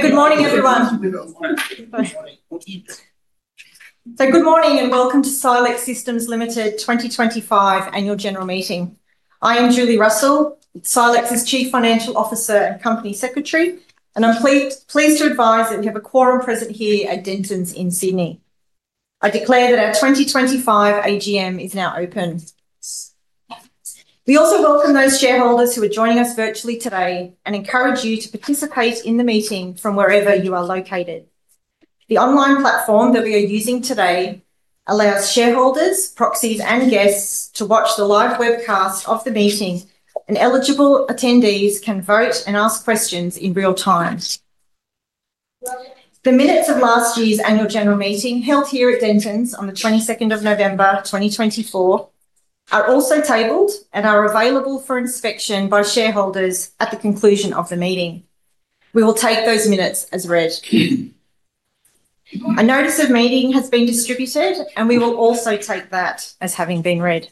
Good morning, everyone. Good morning and welcome to Silex Systems Limited 2025 annual general meeting. I am Julie Russell, Silex's Chief Financial Officer and Company Secretary, and I'm pleased to advise that we have a quorum present here at Dentons in Sydney. I declare that our 2025 AGM is now open. We also welcome those shareholders who are joining us virtually today and encourage you to participate in the meeting from wherever you are located. The online platform that we are using today allows shareholders, proxies, and guests to watch the live webcast of the meeting, and eligible attendees can vote and ask questions in real time. The minutes of last year's annual general meeting held here at Dentons on the 22nd of November 2024 are also tabled and are available for inspection by shareholders at the conclusion of the meeting. We will take those minutes as read. A notice of meeting has been distributed, and we will also take that as having been read.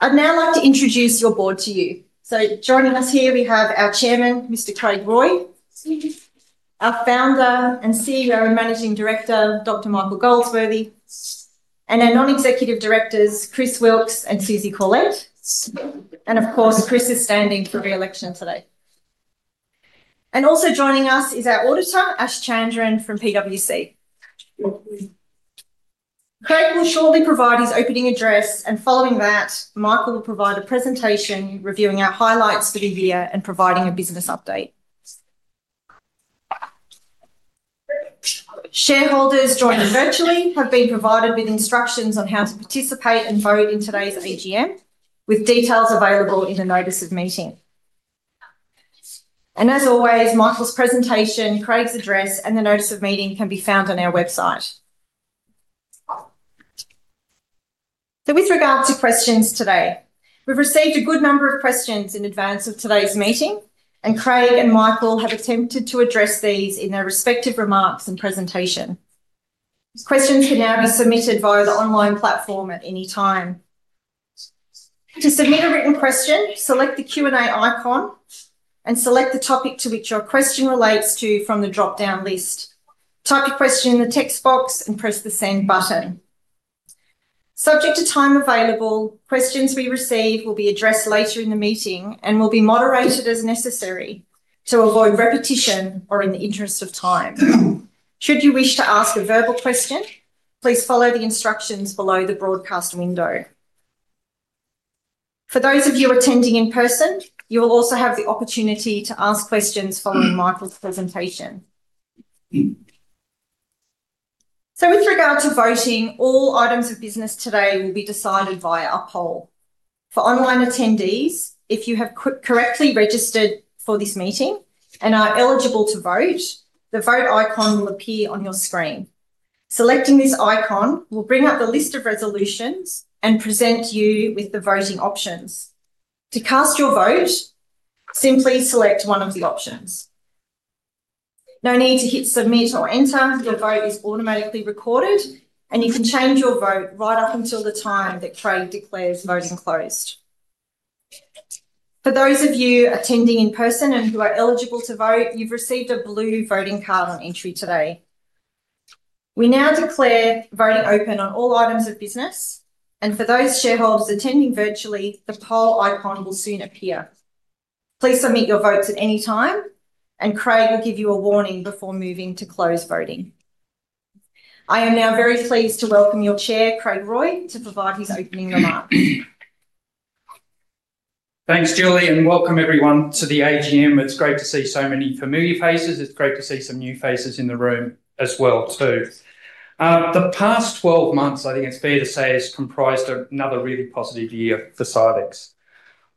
I'd now like to introduce your board to you. Joining us here, we have our Chairman, Mr. Craig Roy, our Founder and CEO and Managing Director, Dr. Michael Goldsworthy, and our Non-Executive Directors, Chris Wilks and Susie Collette. Of course, Chris is standing for reelection today. Also joining us is our auditor, Ash Chandran from PwC. Craig will shortly provide his opening address, and following that, Michael will provide a presentation reviewing our highlights for the year and providing a business update. Shareholders joining virtually have been provided with instructions on how to participate and vote in today's AGM, with details available in the notice of meeting. As always, Michael's presentation, Craig's address, and the notice of meeting can be found on our website. With regards to questions today, we've received a good number of questions in advance of today's meeting, and Craig and Michael have attempted to address these in their respective remarks and presentation. Questions can now be submitted via the online platform at any time. To submit a written question, select the Q&A icon and select the topic to which your question relates from the dropdown list. Type your question in the text box and press the send button. Subject to time available, questions we receive will be addressed later in the meeting and will be moderated as necessary to avoid repetition or in the interest of time. Should you wish to ask a verbal question, please follow the instructions below the broadcast window. For those of you attending in person, you will also have the opportunity to ask questions following Michael's presentation. With regard to voting, all items of business today will be decided via a poll. For online attendees, if you have correctly registered for this meeting and are eligible to vote, the vote icon will appear on your screen. Selecting this icon will bring up the list of resolutions and present you with the voting options. To cast your vote, simply select one of the options. No need to hit submit or enter; your vote is automatically recorded, and you can change your vote right up until the time that Craig declares voting closed. For those of you attending in person and who are eligible to vote, you've received a blue voting card on entry today. We now declare voting open on all items of business, and for those shareholders attending virtually, the poll icon will soon appear. Please submit your votes at any time, and Craig will give you a warning before moving to close voting. I am now very pleased to welcome your Chair, Craig Roy, to provide his opening remarks. Thanks, Julie, and welcome everyone to the AGM. It's great to see so many familiar faces. It's great to see some new faces in the room as well. The past 12 months, I think it's fair to say, has comprised another really positive year for Silex.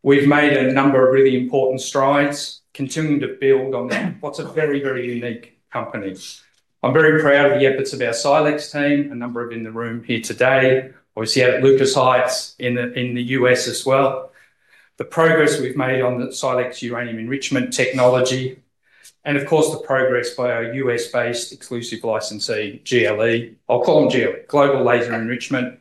We've made a number of really important strides, continuing to build on what's a very, very unique company. I'm very proud of the efforts of our Silex team, a number of them in the room here today. We've seen it at Lucas Heights in the U.S. as well. The progress we've made on the SILEX Uranium Enrichment Technology, and of course the progress by our U.S.-based exclusive licensee, GLE. I'll call them GLE, Global Laser Enrichment,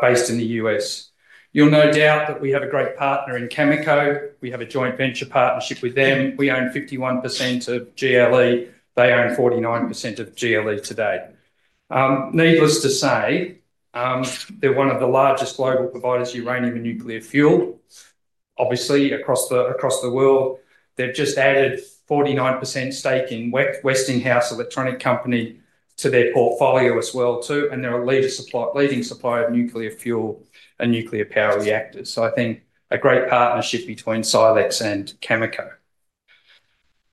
based in the U.S. You'll no doubt know that we have a great partner in Cameco. We have a joint venture partnership with them. We own 51% of GLE. They own 49% of GLE today. Needless to say, they're one of the largest global providers of uranium and nuclear fuel. Obviously, across the world, they've just added a 49% stake in Westinghouse Electronics Company to their portfolio as well, and they're a leading supplier of nuclear fuel and nuclear power reactors. I think a great partnership between Silex and Cameco.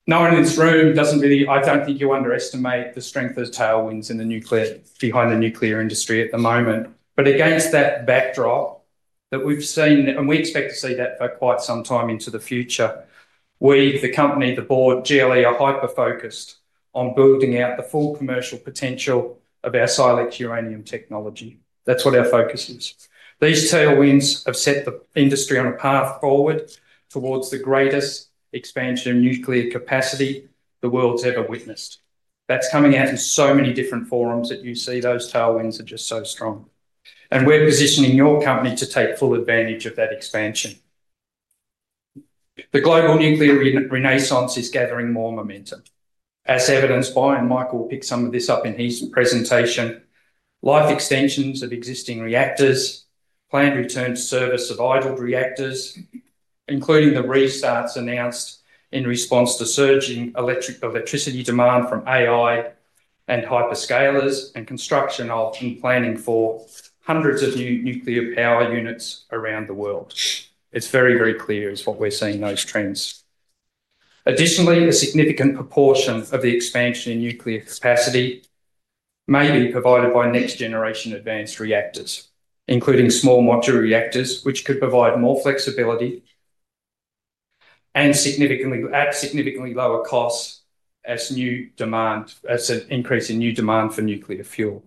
No one in this room doesn't really, I don't think you underestimate the strength of the tailwinds in the nuclear behind the nuclear industry at the moment. Against that backdrop that we've seen, and we expect to see that for quite some time into the future, we, the company, the board, GLE are hyper-focused on building out the full commercial potential of our SILEX Uranium Enrichment Technology. That's what our focus is. These tailwinds have set the industry on a path forward towards the greatest expansion of nuclear capacity the world's ever witnessed. That's coming out in so many different forums that you see those tailwinds are just so strong. We're positioning your company to take full advantage of that expansion. The global nuclear renaissance is gathering more momentum, as evidenced by, and Michael will pick some of this up in his presentation, life extensions of existing reactors, planned return to service of idled reactors, including the restarts announced in response to surging electricity demand from AI and hyperscalers, and construction of and planning for hundreds of new nuclear power units around the world. It's very, very clear is what we're seeing in those trends. Additionally, a significant proportion of the expansion in nuclear capacity may be provided by next-generation advanced reactors, including small modular reactors, which could provide more flexibility and significantly at significantly lower costs as new demand, as an increase in new demand for nuclear fuel.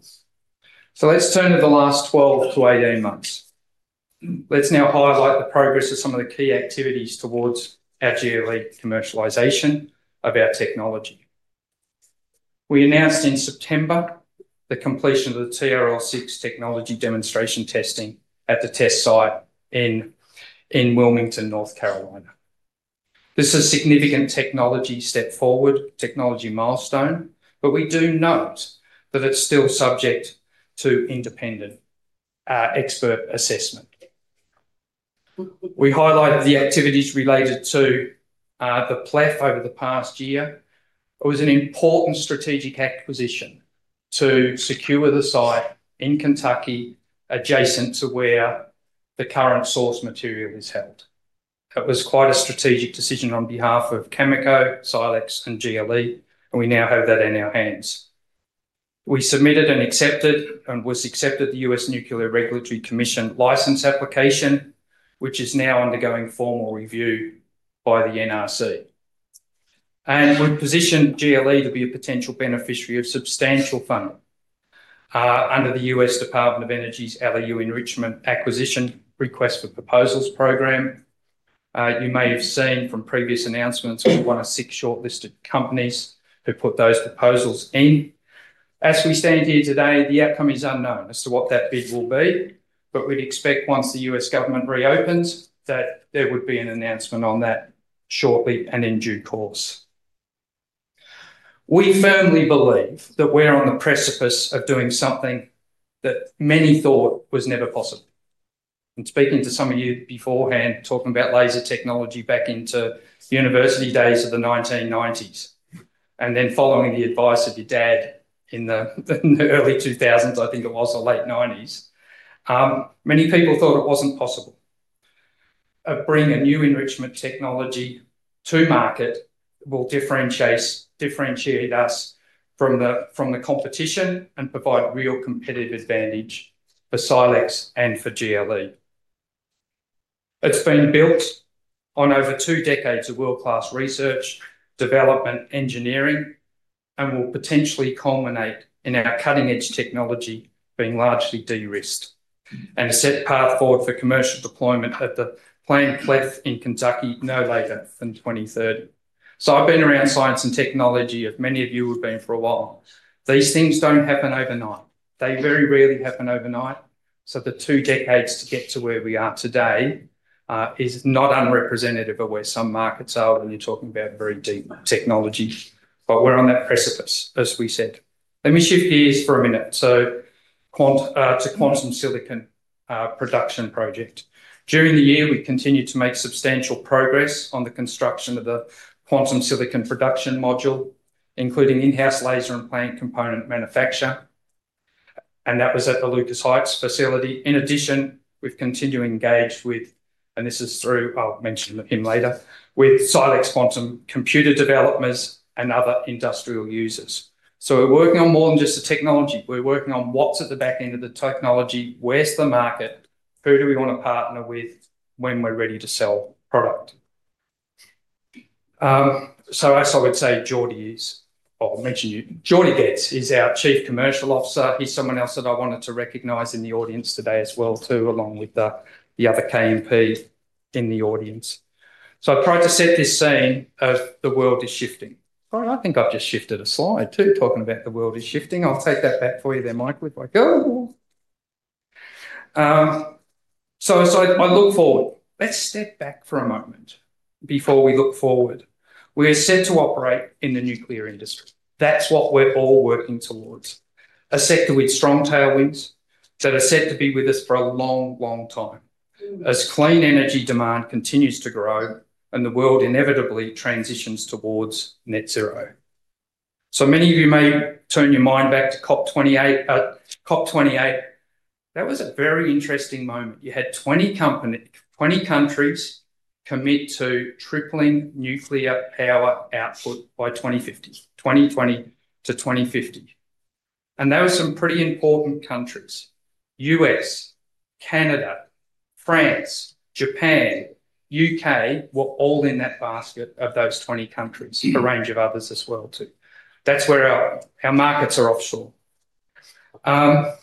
Let's turn to the last 12 to 18 months. Let's now highlight the progress of some of the key activities towards our GLE commercialization of our technology. We announced in September the completion of the TRL-6 technology demonstration testing at the test site in Wilmington, North Carolina. This is a significant technology step forward, technology milestone, but we do note that it's still subject to independent expert assessment. We highlighted the activities related to the PLEF over the past year. It was an important strategic acquisition to secure the site in Kentucky adjacent to where the current source material is held. It was quite a strategic decision on behalf of Cameco, Silex, and GLE, and we now have that in our hands. We submitted and was accepted the U.S. Nuclear Regulatory Commission license application, which is now undergoing formal review by the NRC. We've positioned GLE to be a potential beneficiary of substantial funding under the U.S. Department of Energy's LEU Enrichment Acquisition Request for Proposals Program. You may have seen from previous announcements, we're one of six shortlisted companies who put those proposals in. As we stand here today, the outcome is unknown as to what that bid will be, but we'd expect once the U.S. government reopens that there would be an announcement on that shortly and in due course. We firmly believe that we're on the precipice of doing something that many thought was never possible. Speaking to some of you beforehand, talking about laser technology back into university days of the 1990s, and then following the advice of your dad in the early 2000s, I think it was, or late 90s, many people thought it wasn't possible. Bringing a new enrichment technology to market will differentiate us from the competition and provide a real competitive advantage for Silex and for GLE. It's been built on over two decades of world-class research, development, engineering, and will potentially culminate in our cutting-edge technology being largely de-risked and a set path forward for commercial deployment of the planned PLEF in Kentucky no later than 2030. I've been around science and technology, as many of you have been, for a while. These things don't happen overnight. They very rarely happen overnight. The two decades to get to where we are today is not unrepresentative of where some markets are when you're talking about very deep technology. We're on that precipice, as we said. Let me shift gears for a minute to the Quantum Silicon Production project. During the year, we continued to make substantial progress on the construction of the quantum silicon production module, including in-house laser and plant component manufacturing at the Lucas Heights facility. In addition, we've continued to engage with, and this is through, I'll mention him later, with Silex Quantum computer developers and other industrial users. We're working on more than just the technology. We're working on what's at the back end of the technology, where's the market, who do we want to partner with when we're ready to sell product. As I would say, Geordie is, or I'll mention you, Geordie Graetz is our Chief Commercial Officer. He's someone else that I wanted to recognize in the audience today as well, along with the other KMP in the audience. I've tried to set this scene as the world is shifting. I think I've just shifted a slide too, talking about the world is shifting. I'll take that back for you there, Michael. If I go, as I look forward, let's step back for a moment before we look forward. We are set to operate in the nuclear industry. That's what we're all working towards, a sector with strong tailwinds that are set to be with us for a long, long time as clean energy demand continues to grow and the world inevitably transitions towards net zero. Many of you may turn your mind back to COP 28. That was a very interesting moment. You had 20 countries commit to tripling nuclear power output by 2050, 2020 to 2050. There were some pretty important countries. U.S., Canada, France, Japan, U.K. were all in that basket of those 20 countries, a range of others as well. That's where our markets are offshore. That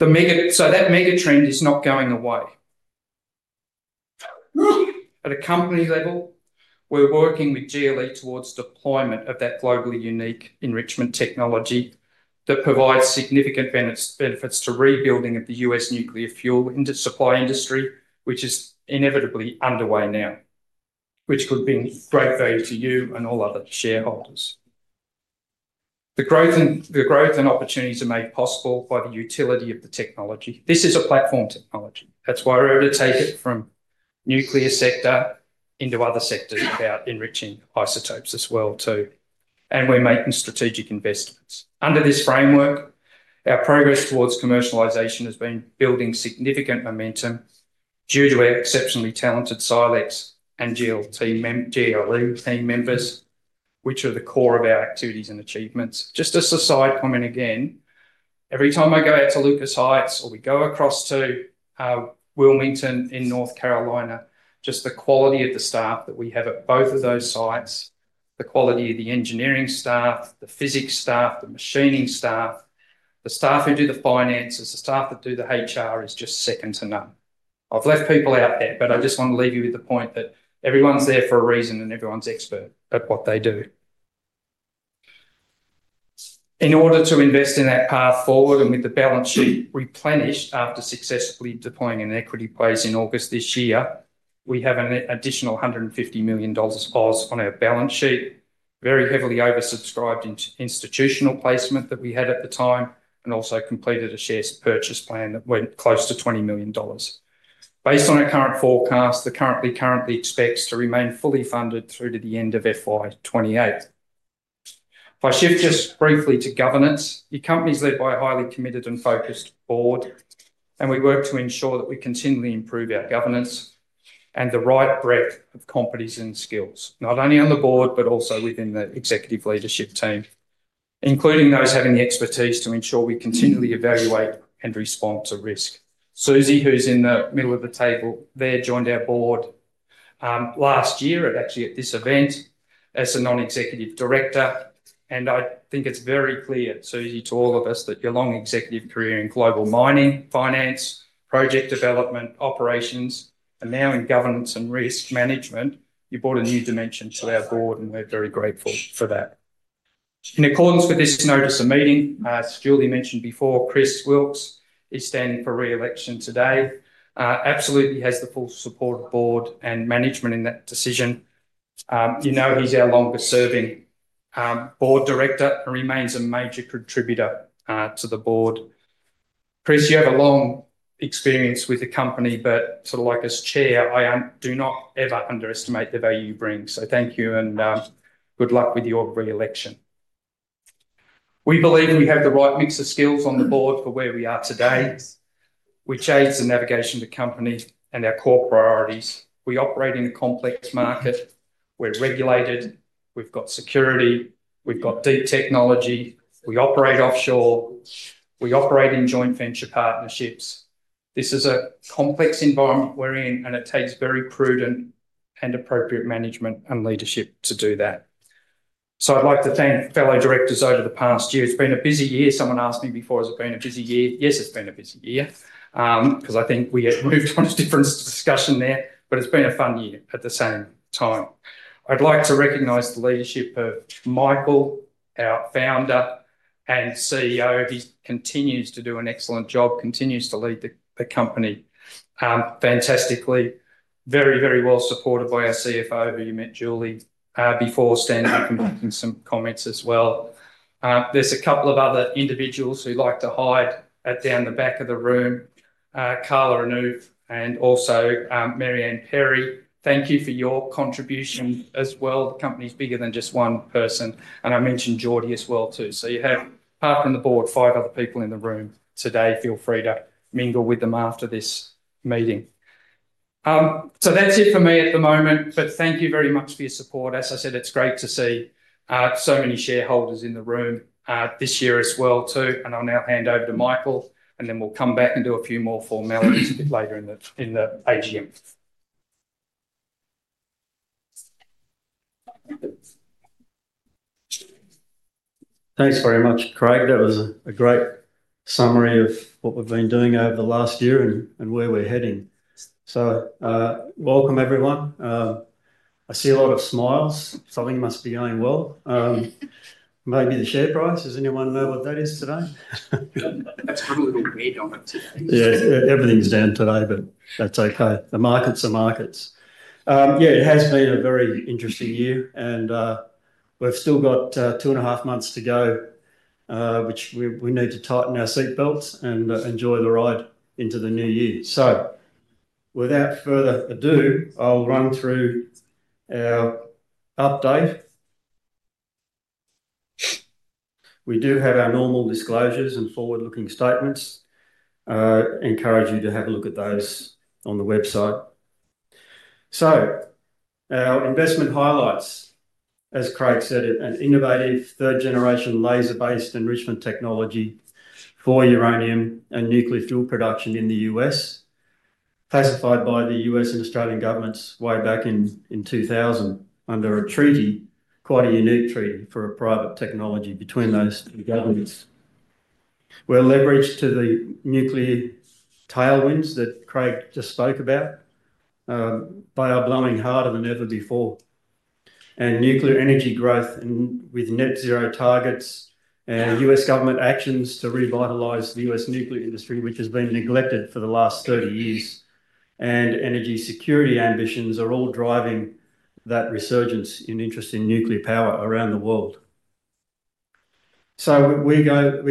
megatrend is not going away. At a company level, we're working with Global Laser Enrichment towards deployment of that globally unique enrichment technology that provides significant benefits to rebuilding of the U.S. nuclear fuel supply industry, which is inevitably underway now, which could bring great value to you and all other shareholders. The growth and opportunities are made possible by the utility of the technology. This is a platform technology. That's why we're able to take it from the nuclear sector into other sectors about enriching isotopes as well too. We're making strategic investments. Under this framework, our progress towards commercialization has been building significant momentum due to our exceptionally talented Silex and GLE team members, which are the core of our activities and achievements. Just as a side comment again, every time I go out to Lucas Heights or we go across to Wilmington in North Carolina, just the quality of the staff that we have at both of those sites, the quality of the engineering staff, the physics staff, the machining staff, the staff who do the finances, the staff that do the HR is just second to none. I've left people out there, but I just want to leave you with the point that everyone's there for a reason and everyone's expert at what they do. In order to invest in that path forward and with the balance sheet replenished after successfully deploying an equity placement in August this year, we have an additional 150 million dollars on our balance sheet, very heavily oversubscribed institutional placement that we had at the time, and also completed a share purchase plan that went close to 20 million dollars. Based on our current forecast, the company currently expects to remain fully funded through to the end of FY 2028. If I shift just briefly to governance, your company's led by a highly committed and focused board, and we work to ensure that we continually improve our governance and the right breadth of competence and skills, not only on the board but also within the executive leadership team, including those having the expertise to ensure we continually evaluate and respond to risk. Susie, who's in the middle of the table there, joined our board last year actually at this event as a Non-Executive Director. I think it's very clear, Susie, to all of us that your long executive career in global mining, finance, project development, operations, and now in governance and risk management, you brought a new dimension to our board, and we're very grateful for that. In accordance with this notice of meeting, as Julie mentioned before, Chris Wilks is standing for reelection today. He absolutely has the full support of the board and management in that decision. You know he's our longest serving board director and remains a major contributor to the board. Chris, you have a long experience with the company, but as Chair, I do not ever underestimate the value you bring. Thank you and good luck with your reelection. We believe we have the right mix of skills on the board for where we are today, which aids the navigation of the company and our core priorities. We operate in a complex market. We're regulated. We've got security. We've got deep technology. We operate offshore. We operate in joint venture partnerships. This is a complex environment we're in, and it takes very prudent and appropriate management and leadership to do that. I'd like to thank fellow directors over the past year. It's been a busy year. Someone asked me before, has it been a busy year? Yes, it's been a busy year, because I think we had moved on to different discussions there, but it's been a fun year at the same time. I'd like to recognize the leadership of Michael, our Founder and CEO. He continues to do an excellent job, continues to lead the company fantastically, very, very well supported by our CFO, who you met, Julie, before standing up and making some comments as well. There's a couple of other individuals who like to hide down the back of the room, Carla Renouve and also Marianne Perry. Thank you for your contribution as well. The company's bigger than just one person, and I mentioned Jordy as well too. You have, apart from the board, five other people in the room today. Feel free to mingle with them after this meeting. That's it for me at the moment, but thank you very much for your support. It's great to see so many shareholders in the room this year as well too. I'll now hand over to Michael, and then we'll come back and do a few more formalities a bit later in the AGM. Thanks very much, Craig. That was a great summary of what we've been doing over the last year and where we're heading. Welcome everyone. I see a lot of smiles. Something must be going well. Maybe the share price. Does anyone know what that is today? That's got a little weird on it today. Yeah, everything's down today, but that's okay. The markets are markets. Yeah, it has been a very interesting year, and we've still got two and a half months to go, which we need to tighten our seat belts and enjoy the ride into the new year. Without further ado, I'll run through our update. We do have our normal disclosures and forward-looking statements. I encourage you to have a look at those on the website. Our investment highlights, as Craig said, an innovative third-generation laser-based enrichment technology for uranium and nuclear fuel production in the U.S., pacified by the U.S. and Australian governments way back in 2000 under a treaty, quite a unique treaty for a private technology between those two governments. We're leveraged to the nuclear tailwinds that Craig just spoke about, blowing harder than ever before. Nuclear energy growth, with net zero targets and U.S. government actions to revitalize the U.S. nuclear industry, which has been neglected for the last 30 years, and energy security ambitions are all driving that resurgence in interest in nuclear power around the world. We go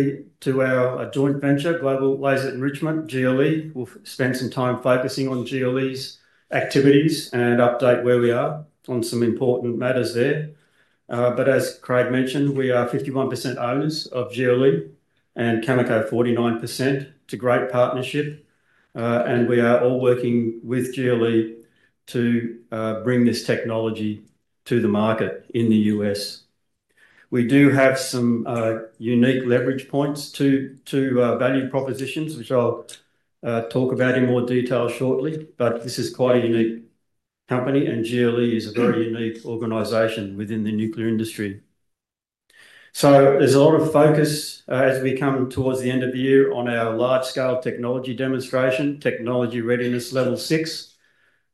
to our joint venture, Global Laser Enrichment, GLE. We'll spend some time focusing on GLE's activities and update where we are on some important matters there. As Craig mentioned, we are 51% owners of GLE and Cameco 49%, a great partnership. We are all working with GLE to bring this technology to the market in the U.S. We do have some unique leverage points to value propositions, which I'll talk about in more detail shortly. This is quite a unique company, and GLE is a very unique organization within the nuclear industry. There is a lot of focus as we come towards the end of the year on our large-scale technology demonstration, technology readiness level six,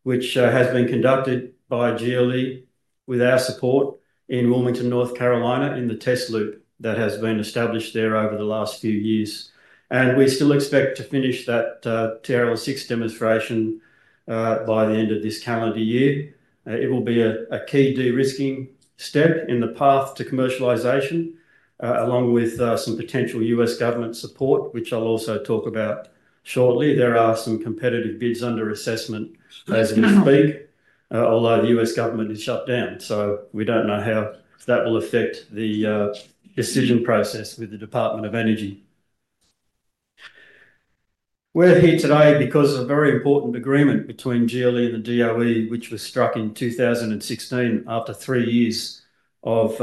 which has been conducted by GLE with our support in Wilmington, North Carolina, in the test loop that has been established there over the last few years. We still expect to finish that TRL-6 demonstration by the end of this calendar year. It will be a key de-risking step in the path to commercialization, along with some potential U.S. government support, which I'll also talk about shortly. There are some competitive bids under assessment as we speak, although the U.S. government is shut down. We don't know how that will affect the decision process with the Department of Energy. We're here today because of a very important agreement between GLE and the DOE, which was struck in 2016 after three years of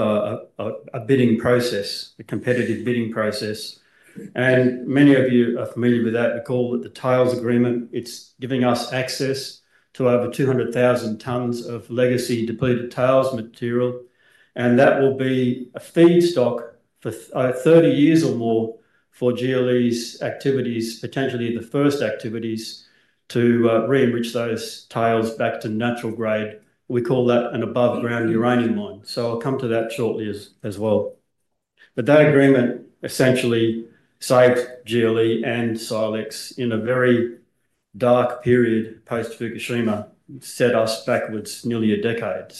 a bidding process, a competitive bidding process. Many of you are familiar with that. We call it the Tails Agreement. It's giving us access to over 200,000 tons of legacy depleted tails material, and that will be a feedstock for 30 years or more for GLE's activities, potentially the first activities to re-enrich those tails back to natural grade. We call that an above-ground uranium mine. I'll come to that shortly as well. That agreement essentially saved GLE and Silex in a very dark period post-Fukushima, set us backwards nearly a decade.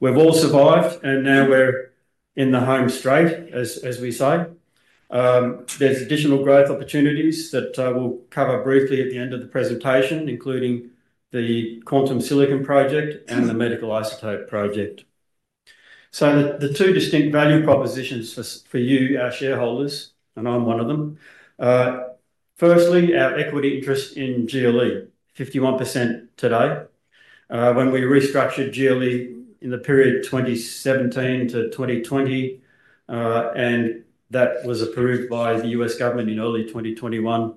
We've all survived, and now we're in the home straight, as we say. There are additional growth opportunities that we'll cover briefly at the end of the presentation, including the quantum silicon project and the medical isotope project. The two distinct value propositions for you, our shareholders, and I'm one of them. Firstly, our equity interest in GLE, 51% today. When we restructured GLE in the period 2017-2020, and that was approved by the U.S. government in early 2021,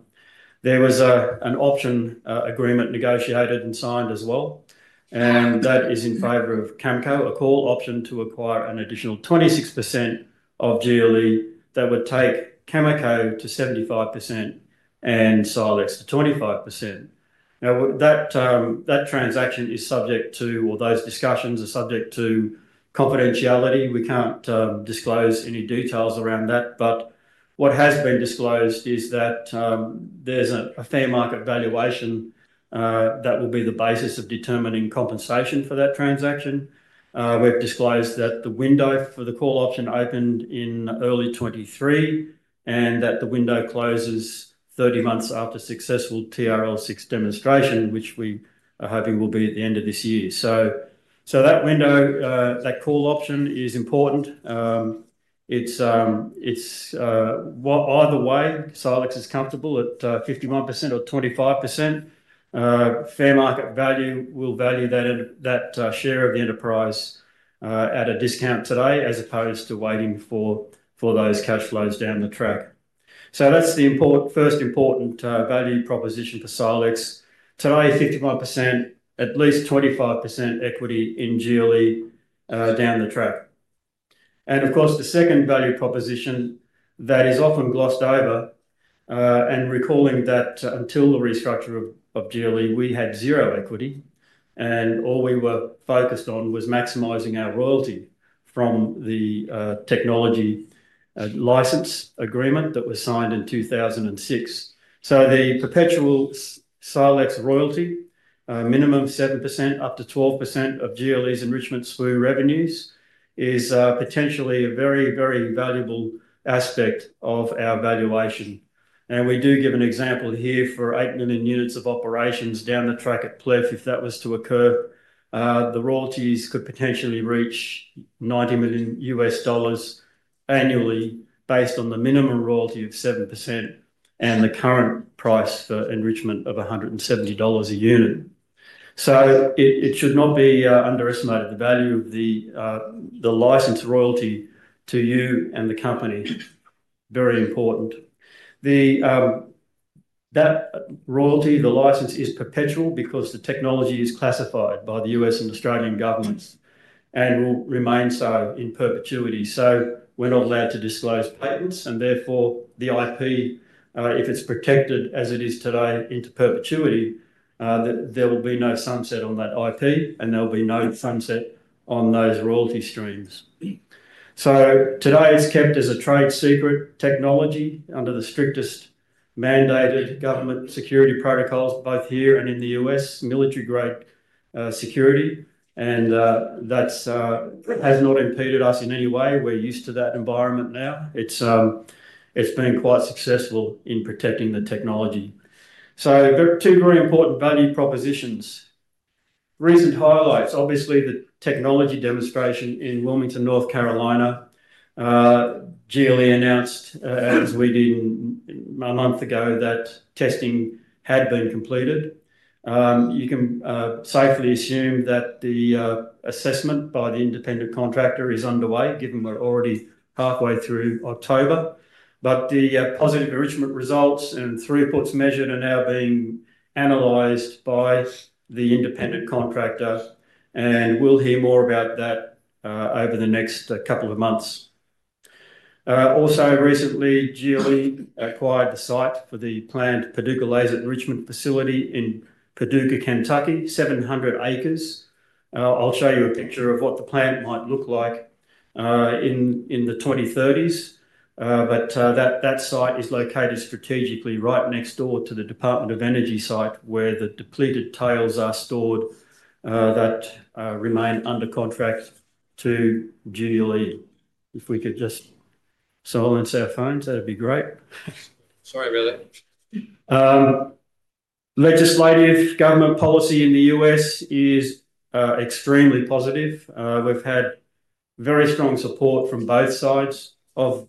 there was an option agreement negotiated and signed as well. That is in favor of Cameco, a call option to acquire an additional 26% of GLE that would take Cameco to 75% and Silex to 25%. That transaction is subject to, or those discussions are subject to confidentiality. We can't disclose any details around that. What has been disclosed is that there's a fair market valuation that will be the basis of determining compensation for that transaction. We've disclosed that the window for the call option opened in early 2023, and that the window closes 30 months after successful TRL-6 demonstration, which we are hoping will be at the end of this year. That window, that call option is important. Either way, Silex is comfortable at 51% or 25%. Fair market value will value that share of the enterprise at a discount today, as opposed to waiting for those cash flows down the track. That's the first important value proposition for Silex. Today, 51%, at least 25% equity in GLE down the track. The second value proposition that is often glossed over, and recalling that until the restructure of GLE, we had zero equity, and all we were focused on was maximizing our royalty from the technology license agreement that was signed in 2006. The perpetual SILEX royalty, a minimum of 7% up to 12% of GLE's enrichment spool revenues, is potentially a very, very valuable aspect of our valuation. We do give an example here for 8 million units of operations down the track at PLEF. If that was to occur, the royalties could potentially reach $90 million annually based on the minimum royalty of 7% and the current price for enrichment of 170 dollars a unit. It should not be underestimated, the value of the license royalty to you and the company, very important. That royalty, the license, is perpetual because the technology is classified by the U.S. and Australian governments and will remain so in perpetuity. We're not allowed to disclose patents, and therefore the IP, if it's protected as it is today into perpetuity, there will be no sunset on that IP, and there will be no sunset on those royalty streams. Today it's kept as a trade secret technology under the strictest mandated government security protocols, both here and in the U.S., military-grade security. That has not impeded us in any way. We're used to that environment now. It's been quite successful in protecting the technology. Two very important value propositions. Recent highlights, obviously, the technology demonstration in Wilmington, North Carolina. GLE announced, as we did a month ago, that testing had been completed. You can safely assume that the assessment by the independent contractor is underway, given we're already halfway through October. The positive enrichment results and throughputs measured are now being analyzed by the independent contractor, and we'll hear more about that over the next couple of months. Also, recently, GLE acquired the site for the planned Paducah Laser Enrichment Facility in Paducah, Kentucky, 700 acres. I'll show you a picture of what the plant might look like in the 2030s. That site is located strategically right next door to the Department of Energy site, where the depleted tails are stored that remain under contract to GLE. If we could just silence our phones, that'd be great. Sorry, really. Legislative government policy in the U.S. is extremely positive. We've had very strong support from both sides of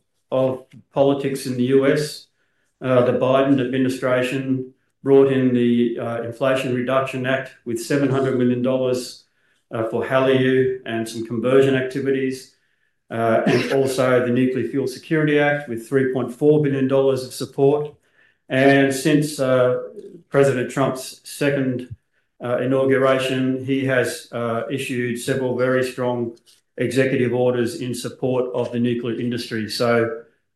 politics in the U.S. The Biden administration brought in the Inflation Reduction Act with 700 million dollars for HALEU and some conversion activities, and also the Nuclear Fuel Security Act with 3.4 billion dollars of support. Since President Trump's second inauguration, he has issued several very strong executive orders in support of the nuclear industry.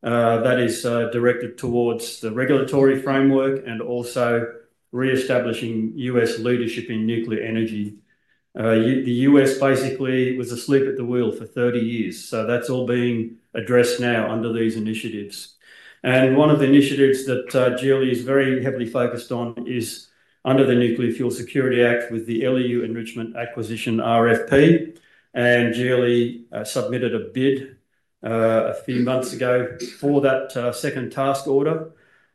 That is directed towards the regulatory framework and also reestablishing U.S. leadership in nuclear energy. The U.S. basically was asleep at the wheel for 30 years. That's all being addressed now under these initiatives. One of the initiatives that GLE is very heavily focused on is under the Nuclear Fuel Security Act with the LEU Enrichment Acquisition RFP. GLE submitted a bid a few months ago for that second task order.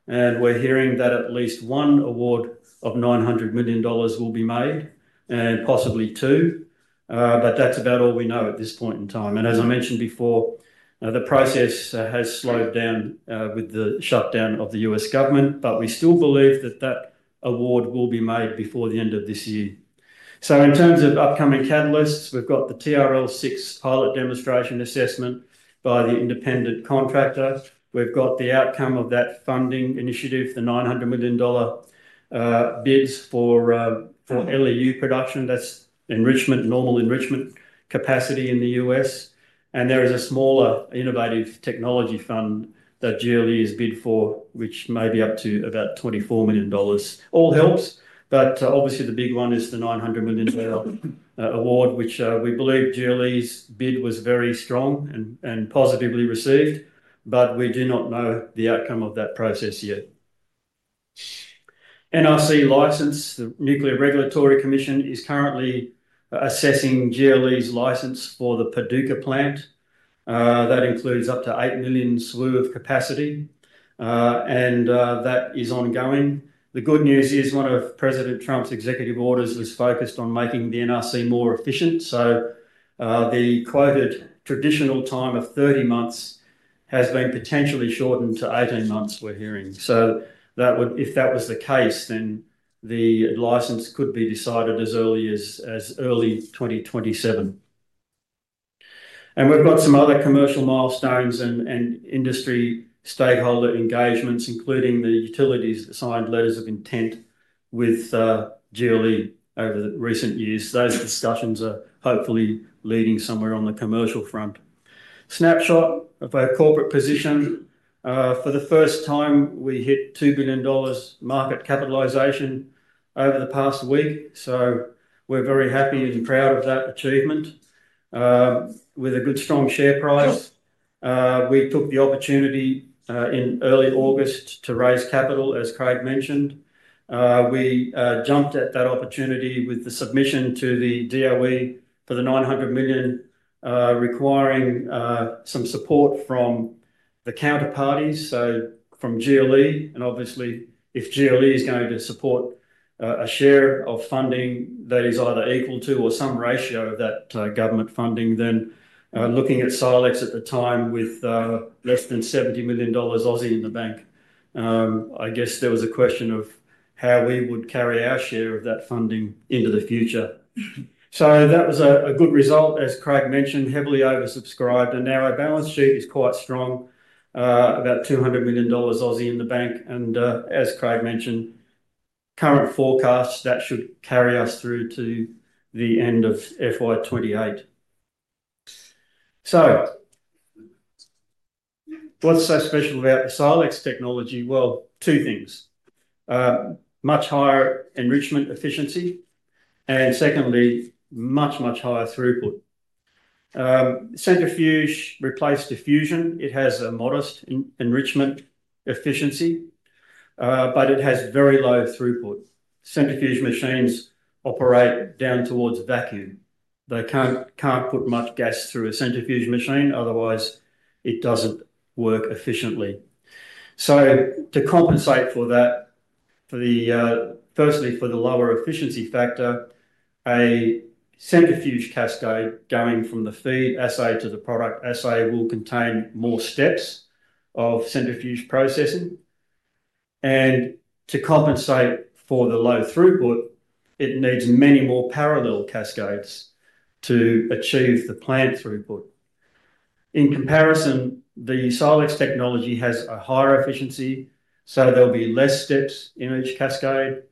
We're hearing that at least one award of 900 million dollars will be made and possibly two. That's about all we know at this point in time. As I mentioned before, the process has slowed down with the shutdown of the U.S. government, but we still believe that award will be made before the end of this year. In terms of upcoming catalysts, we've got the TRL-6 pilot demonstration assessment by the independent contractor. We've got the outcome of that funding initiative, the 900 million dollar bids for LEU production. That's enrichment, normal enrichment capacity in the U.S. There is a smaller innovative technology fund that GLE has bid for, which may be up to about 24 million dollars. All helps, but obviously the big one is the 900 million dollar award, which we believe GLE's bid was very strong and positively received. We do not know the outcome of that process yet. NRC license, the Nuclear Regulatory Commission is currently assessing GLE's license for the Paducah plant. That includes up to 8 million SWU of capacity, and that is ongoing. The good news is one of President Trump's executive orders is focused on making the NRC more efficient. The quoted traditional time of 30 months has been potentially shortened to 18 months, we're hearing. If that was the case, then the license could be decided as early as early 2027. We've got some other commercial milestones and industry stakeholder engagements, including the utilities that signed letters of intent with GLE over the recent years. Those discussions are hopefully leading somewhere on the commercial front. Snapshot of our corporate position. For the first time, we hit 2 billion dollars market capitalization over the past week. We're very happy and proud of that achievement with a good strong share price. We took the opportunity in early August to raise capital, as Craig mentioned. We jumped at that opportunity with the submission to the DOE for the 900 million, requiring some support from the counterparties, so from Global Laser Enrichment. Obviously, if Global Laser Enrichment is going to support a share of funding that is either equal to or some ratio of that government funding, then looking at Silex at the time with less than 70 million Aussie dollars in the bank, I guess there was a question of how we would carry our share of that funding into the future. That was a good result, as Craig mentioned, heavily oversubscribed. Now our balance sheet is quite strong, about 200 million Aussie dollars in the bank. As Craig mentioned, current forecasts that should carry us through to the end of FY 2028. What's so special about the SILEX Technology? Two things. Much higher enrichment efficiency and, secondly, much, much higher throughput. Centrifuge replaced diffusion. It has a modest enrichment efficiency, but it has very low throughput. Centrifuge machines operate down towards vacuum. They can't put much gas through a centrifuge machine, otherwise it doesn't work efficiently. To compensate for that, firstly, for the lower efficiency factor, a centrifuge cascade going from the feed assay to the product assay will contain more steps of centrifuge processing. To compensate for the low throughput, it needs many more parallel cascades to achieve the plant throughput. In comparison, the SILEX Technology has a higher efficiency, so there'll be less steps in each cascade,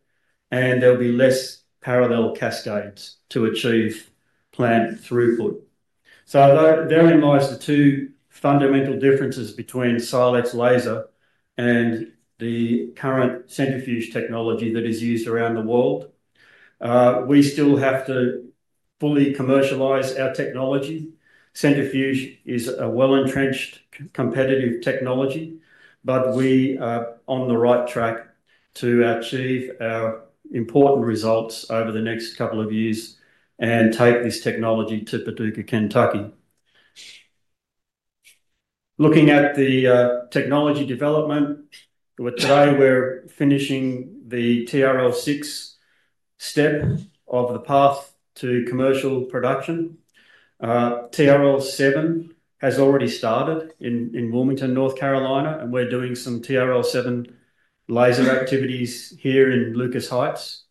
and there'll be less parallel cascades to achieve plant throughput. Therein lies the two fundamental differences between SILEX laser and the current centrifuge technology that is used around the world. We still have to fully commercialize our technology. Centrifuge is a well-entrenched competitive technology, but we are on the right track to achieve our important results over the next couple of years and take this technology to Paducah, Kentucky. Looking at the technology development, today we're finishing the TRL-6 step of the path to commercial production. TRL-7 has already started in Wilmington, North Carolina, and we're doing some TRL-7 laser activities here in Lucas Heights.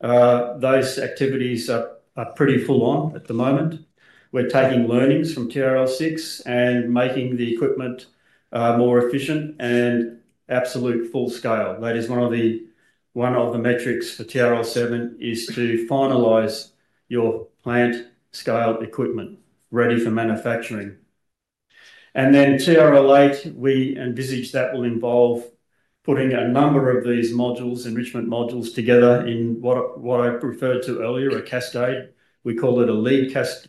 Those activities are pretty full on at the moment. We're taking learnings from TRL-6 and making the equipment more efficient and absolute full scale. That is one of the metrics for TRL-7, to finalize your plant scale equipment ready for manufacturing. TRL8, we envisage that will involve putting a number of these modules, enrichment modules, together in what I referred to earlier, a cascade. We call it a lead cascade.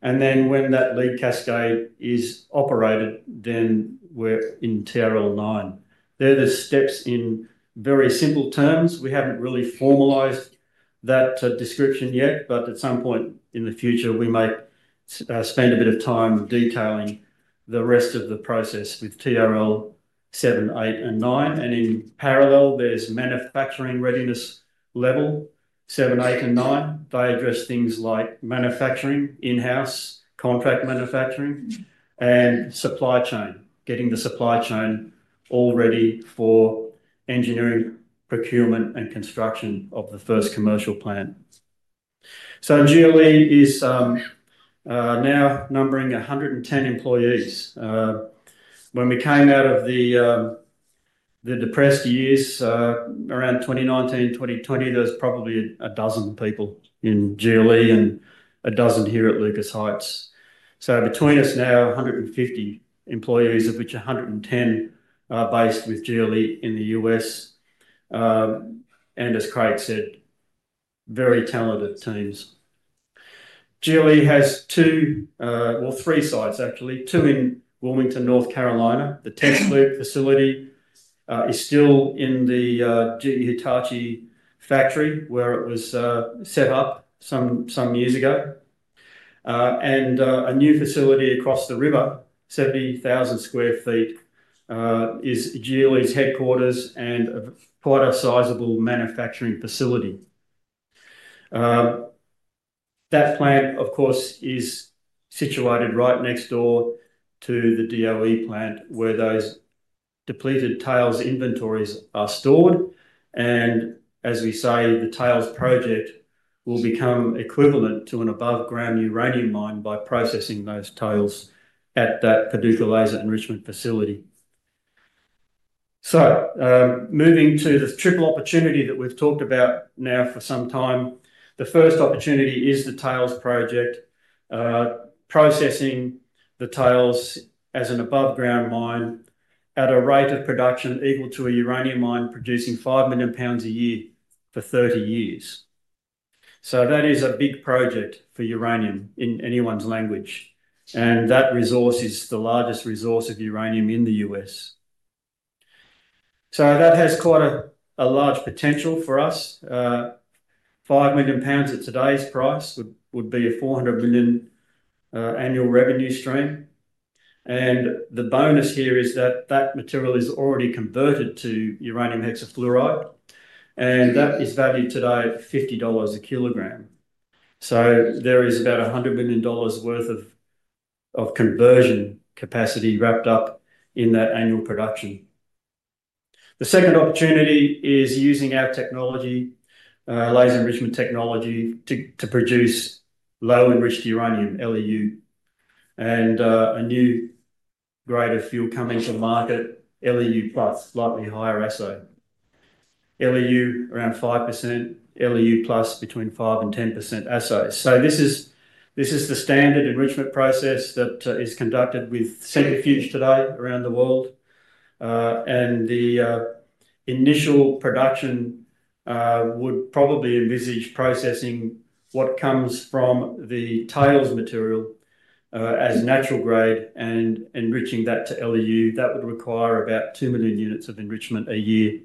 When that lead cascade is operated, then we're in TRL9. They're the steps in very simple terms. We haven't really formalized that description yet, but at some point in the future, we might spend a bit of time detailing the rest of the process with TRL-7, 8, and 9. In parallel, there's manufacturing readiness level 7, 8, and 9. They address things like manufacturing, in-house contract manufacturing, and supply chain, getting the supply chain all ready for engineering, procurement, and construction of the first commercial plant. GLE is now numbering 110 employees. When we came out of the depressed years, around 2019, 2020, there was probably a dozen people in GLE and a dozen here at Lucas Heights. Between us now, 150 employees, of which 110 are based with GLE in the U.S. As Craig said, very talented teams. GLE has two, well, three sites, actually. Two in Wilmington, North Carolina. The test loop facility is still in the GE Hitachi factory where it was set up some years ago. A new facility across the river, 70,000 sq ft, is GLE's headquarters and quite a sizable manufacturing facility. That plant, of course, is situated right next door to the DOE plant where those depleted tails inventories are stored. The tails project will become equivalent to an above-ground uranium mine by processing those tails at that Paducah Laser Enrichment Facility. Moving to the triple opportunity that we've talked about now for some time, the first opportunity is the tails project, processing the tails as an above-ground mine at a rate of production equal to a uranium mine producing 5 million pounds a year for 30 years. That is a big project for uranium in anyone's language. That resource is the largest resource of uranium in the U.S. That has quite a large potential for us. 5 million pounds at today's price would be a 400 million annual revenue stream. The bonus here is that material is already converted to uranium hexafluoride. That is valued today at 50 dollars a kilogram. There is about 100 million dollars worth of conversion capacity wrapped up in that annual production. The second opportunity is using our technology, laser enrichment technology, to produce low-enriched uranium, LEU, and a new grade of fuel coming to market, LEU+, slightly higher assay. LEU is around 5%, LEU+ is between 5% and 10% assay. This is the standard enrichment process that is conducted with centrifuge today around the world. The initial production would probably envisage processing what comes from the tails material as natural grade and enriching that to LEU. That would require about 2 million units of enrichment a year.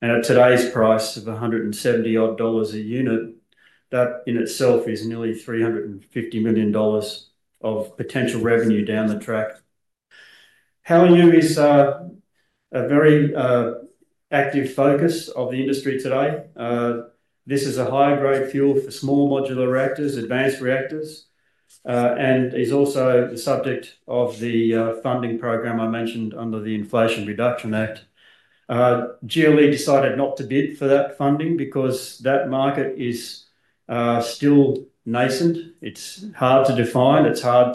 At today's price of 170 dollars per unit, that in itself is nearly 350 million dollars of potential revenue down the track. HALEU is a very active focus of the industry today. This is a high-grade fuel for small modular reactors, advanced reactors, and is also the subject of the funding program I mentioned under the Inflation Reduction Act. GLE decided not to bid for that funding because that market is still nascent. It's hard to define. It's hard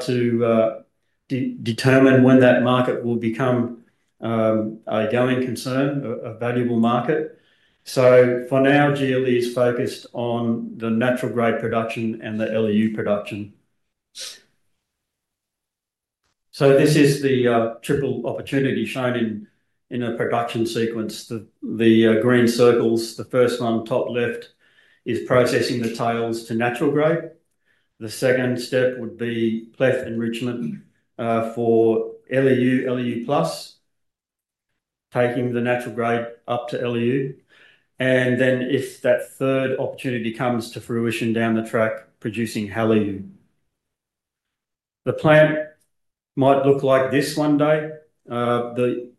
to determine when that market will become a going concern, a valuable market. For now, GLE is focused on the natural-grade production and the LEU production. This is the triple opportunity shown in a production sequence. The green circles, the first one top left, is processing the tails to natural grade. The second step would be PLEF enrichment for LEU, LEU+, taking the natural grade up to LEU. If that third opportunity comes to fruition down the track, producing HALEU. The plant might look like this one day. The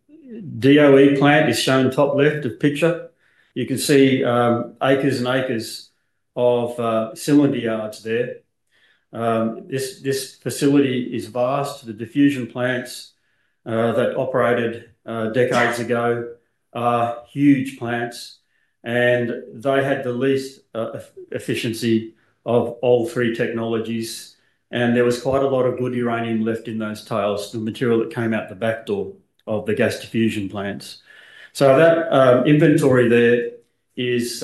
DOE plant is shown top left of the picture. You can see acres and acres of cylinder yards there. This facility is vast. The diffusion plants that operated decades ago are huge plants, and they had the least efficiency of all three technologies. There was quite a lot of good uranium left in those tails and material that came out the back door of the gas diffusion plants. That inventory there is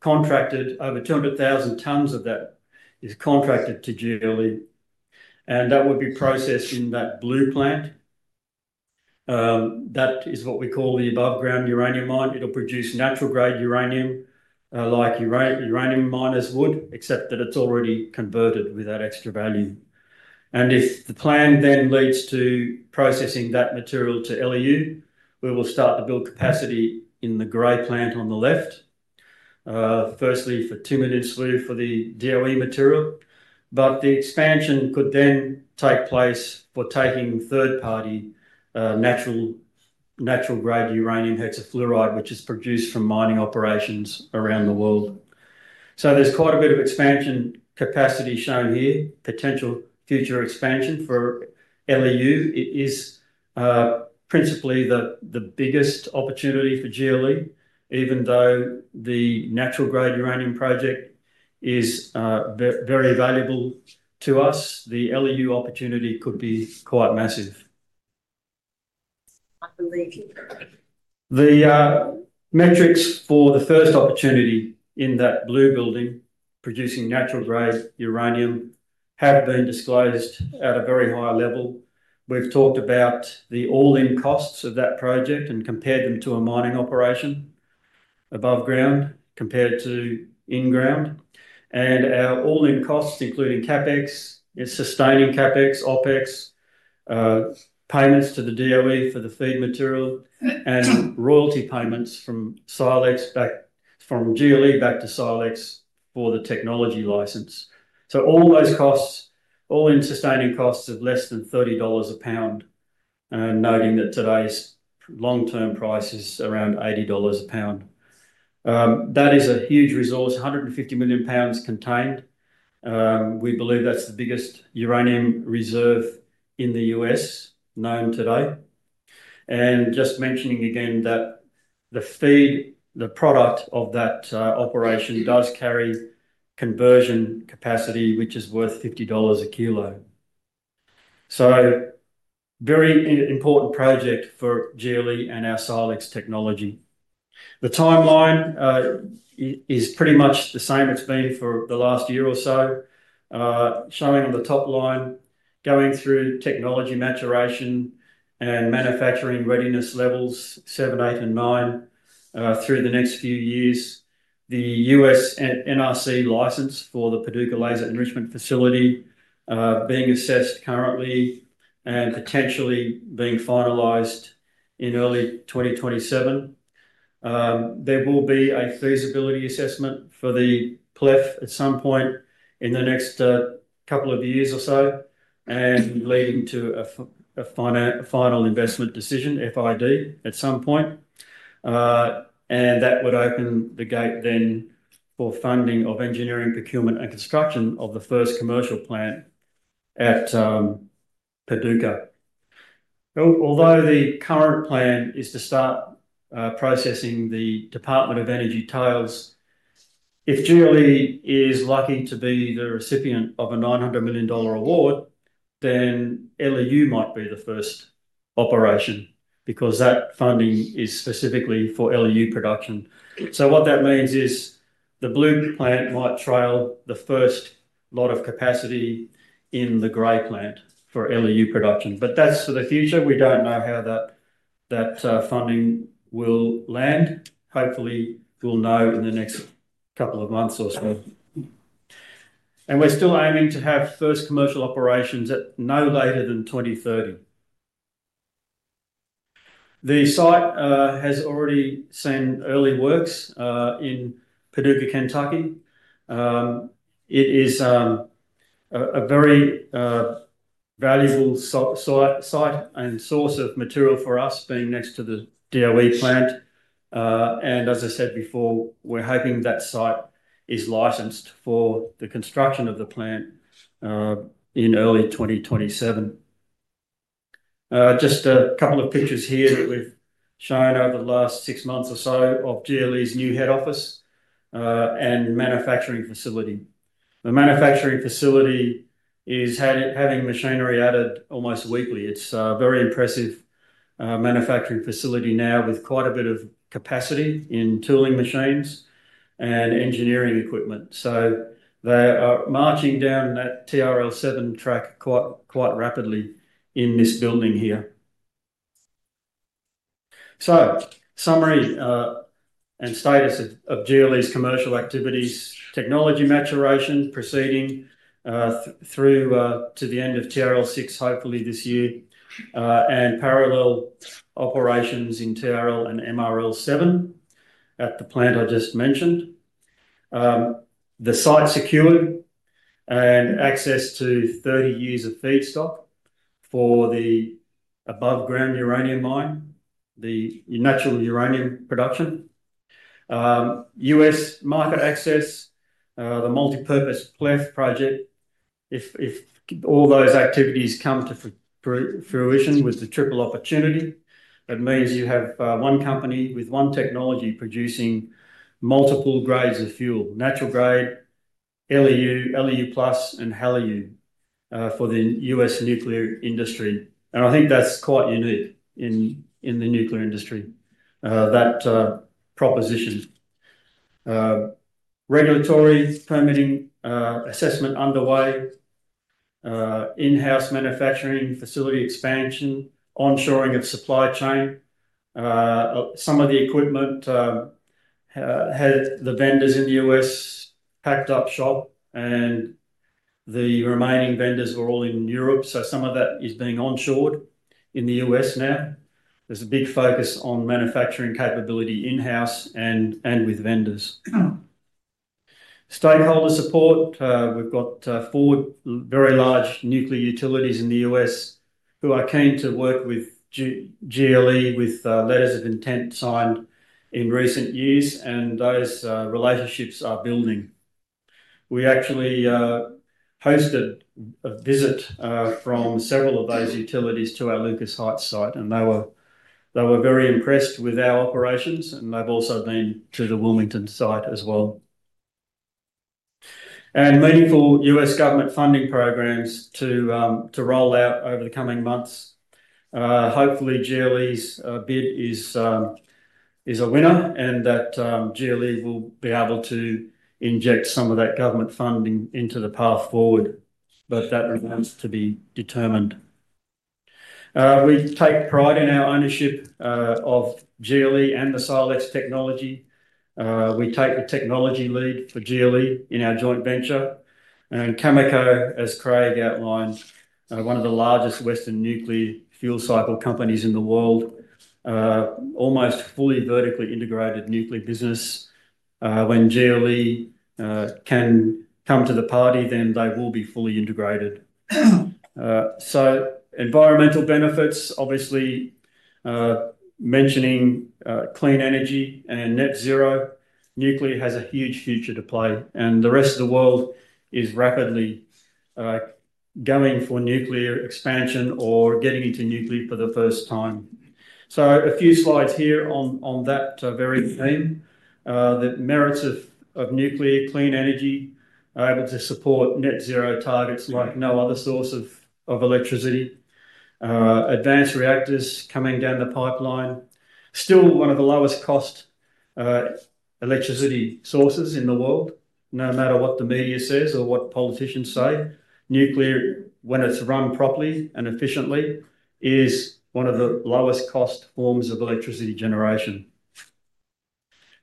contracted. Over 200,000 tons of that is contracted to GLE, and that would be processed in that blue plant. That is what we call the above-ground uranium mine. It will produce natural-grade uranium like uranium miners would, except that it's already converted with that extra value. If the plan then leads to processing that material to LEU, we will start to build capacity in the gray plant on the left, firstly for 2 million SWU for the DOE material. The expansion could then take place for taking third-party natural-grade uranium hexafluoride, which is produced from mining operations around the world. There is quite a bit of expansion capacity shown here. Potential future expansion for LEU is principally the biggest opportunity for GLE. Even though the natural-grade uranium project is very valuable to us, the LEU opportunity could be quite massive. The metrics for the first opportunity in that blue building producing natural-grade uranium have been disclosed at a very high level. We've talked about the all-in costs of that project and compared them to a mining operation above ground compared to in-ground. Our all-in costs, including CapEx, sustaining CapEx, OpEx, payments to the DOE for the feed material, and royalty payments from Silex back from GLE back to Silex for the technology license. All those costs, all-in sustaining costs of less than 30 dollars a pound, noting that today's long-term price is around 80 dollars a pound. That is a huge resource, 150 million lb contained. We believe that's the biggest uranium reserve in the U.S. known today. Just mentioning again that the feed, the product of that operation, does carry conversion capacity, which is worth 50 dollars a kilo. A very important project for GLE and our SILEX technology. The timeline is pretty much the same it's been for the last year or so, showing on the top line, going through technology maturation and manufacturing readiness levels 7, 8, and 9 through the next few years. The U.S. Nuclear Regulatory Commission license for the Paducah Laser Enrichment Facility is being assessed currently and potentially being finalized in early 2027. There will be a feasibility assessment for the PLEF at some point in the next couple of years or so, leading to a final investment decision, FID, at some point. That would open the gate for funding of engineering, procurement, and construction of the first commercial plant at Paducah. Although the current plan is to start processing the Department of Energy tails, if GLE is lucky to be the recipient of a 900 million dollar award, then LEU might be the first operation because that funding is specifically for LEU production. What that means is the blue plant might trail the first lot of capacity in the gray plant for LEU production. That is for the future. We don't know how that funding will land. Hopefully, we'll know in the next couple of months or so. We're still aiming to have first commercial operations at no later than 2030. The site has already seen early works in Paducah, Kentucky. It is a very valuable site and source of material for us, being next to the DOE plant. As I said before, we're hoping that site is licensed for the construction of the plant in early 2027. Just a couple of pictures here that we've shown over the last six months or so of GLE's new head office and manufacturing facility. The manufacturing facility is having machinery added almost weekly. It's a very impressive manufacturing facility now with quite a bit of capacity in tooling machines and engineering equipment. They are marching down that TRL-7 track quite rapidly in this building here. Summary and status of GLE's commercial activities: technology maturation proceeding through to the end of TRL-6, hopefully this year, and parallel operations in TRL and MRL-7 at the plant I just mentioned. The site secured and access to 30 years of feedstock for the above-ground uranium mine, the natural uranium production, U.S. market access, the multipurpose PLEF project. If all those activities come to fruition with the triple opportunity, that means you have one company with one technology producing multiple grades of fuel, natural grade, LEU, LEU+ and HALEU for the U.S. nuclear industry. I think that's quite unique in the nuclear industry, that proposition. Regulatory permitting assessment underway, in-house manufacturing, facility expansion, onshoring of supply chain. Some of the equipment had the vendors in the U.S. packed up shop, and the remaining vendors were all in Europe. Some of that is being onshored in the U.S. now. There's a big focus on manufacturing capability in-house and with vendors. Stakeholder support: we've got four very large nuclear utilities in the U.S. who are keen to work with GLE with letters of intent signed in recent years, and those relationships are building. We actually hosted a visit from several of those utilities to our Lucas Heights site, and they were very impressed with our operations, and they've also been to the Wilmington site as well. Meaningful U.S. government funding programs to roll out over the coming months. Hopefully, GLE's bid is a winner and that GLE will be able to inject some of that government funding into the path forward. That remains to be determined. We take pride in our ownership of GLE and the SILEX technology. We take the technology lead for GLE in our joint venture. Cameco, as Craig outlined, is one of the largest Western nuclear fuel cycle companies in the world, almost fully vertically integrated nuclear business. When GLE can come to the party, then they will be fully integrated. Environmental benefits, obviously mentioning clean energy and net zero, nuclear has a huge future to play. The rest of the world is rapidly going for nuclear expansion or getting into nuclear for the first time. A few slides here on that very theme. The merits of nuclear clean energy are able to support net zero targets like no other source of electricity. Advanced reactors coming down the pipeline, still one of the lowest cost electricity sources in the world. No matter what the media says or what politicians say, nuclear, when it's run properly and efficiently, is one of the lowest cost forms of electricity generation.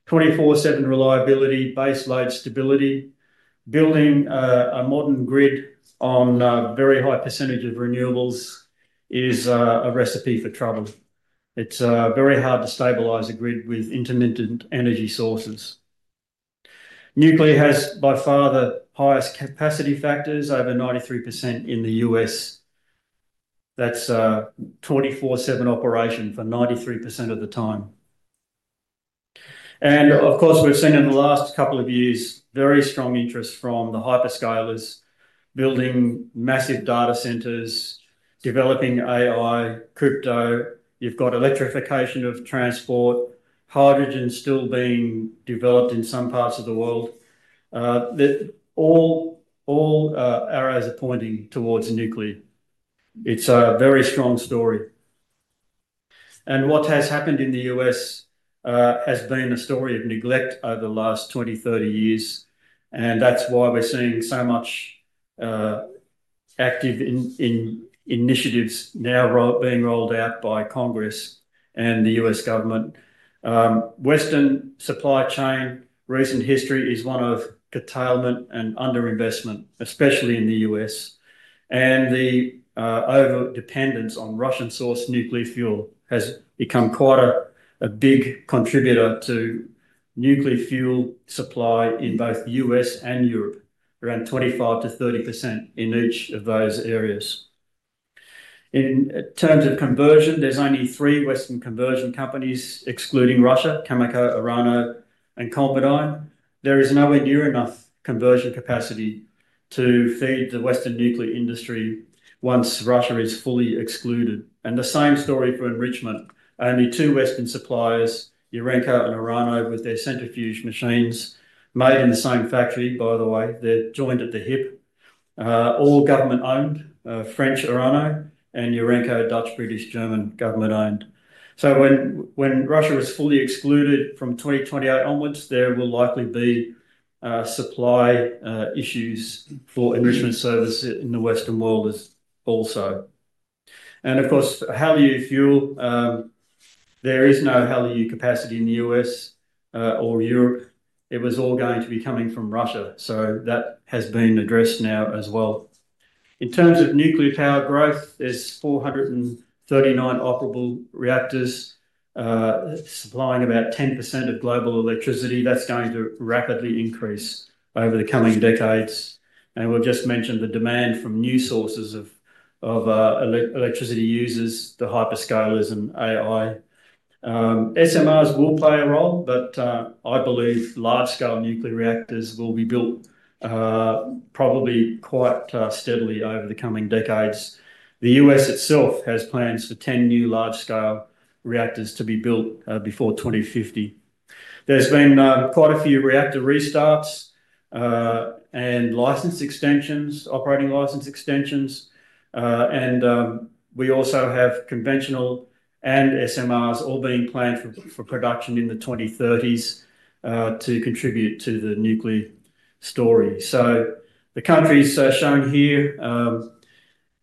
24/7 reliability, base load stability, building a modern grid on a very high percentage of renewables is a recipe for trouble. It's very hard to stabilize a grid with intermittent energy sources. Nuclear has by far the highest capacity factors, over 93% in the U.S. That's a 24/7 operation for 93% of the time. We've seen in the last couple of years very strong interest from the hyperscalers building massive data centers, developing AI, crypto. You've got electrification of transport, hydrogen still being developed in some parts of the world. All arrows are pointing towards nuclear. It's a very strong story. What has happened in the U.S. has been a story of neglect over the last 20, 30 years. That's why we're seeing so much active initiatives now being rolled out by Congress and the U.S. government. Western supply chain recent history is one of curtailment and underinvestment, especially in the U.S. The overdependence on Russian-sourced nuclear fuel has become quite a big contributor to nuclear fuel supply in both the U.S. and Europe, around 25%-30% in each of those areas. In terms of conversion, there's only three Western conversion companies, excluding Russia, Cameco, Orano, and Combidon. There is nowhere near enough conversion capacity to feed the Western nuclear industry once Russia is fully excluded. The same story for enrichment. Only two Western suppliers, Urenco and Orano, with their centrifuge machines made in the same factory, by the way, they're joined at the hip. All government-owned, French Orano and Urenco, Dutch, British, German government-owned. When Russia was fully excluded from 2028 onwards, there will likely be supply issues for enrichment service in the Western world also. Of course, HALEU fuel, there is no HALEU capacity in the U.S. or Europe. It was all going to be coming from Russia. That has been addressed now as well. In terms of nuclear power growth, there's 439 operable reactors supplying about 10% of global electricity. That's going to rapidly increase over the coming decades. We'll just mention the demand from new sources of electricity users, the hyperscalers and AI. SMRs will play a role, but I believe large-scale nuclear reactors will be built probably quite steadily over the coming decades. The U.S. itself has plans for 10 new large-scale reactors to be built before 2050. There's been quite a few reactor restarts and license extensions, operating license extensions. We also have conventional and SMRs all being planned for production in the 2030s to contribute to the nuclear story. The countries are shown here.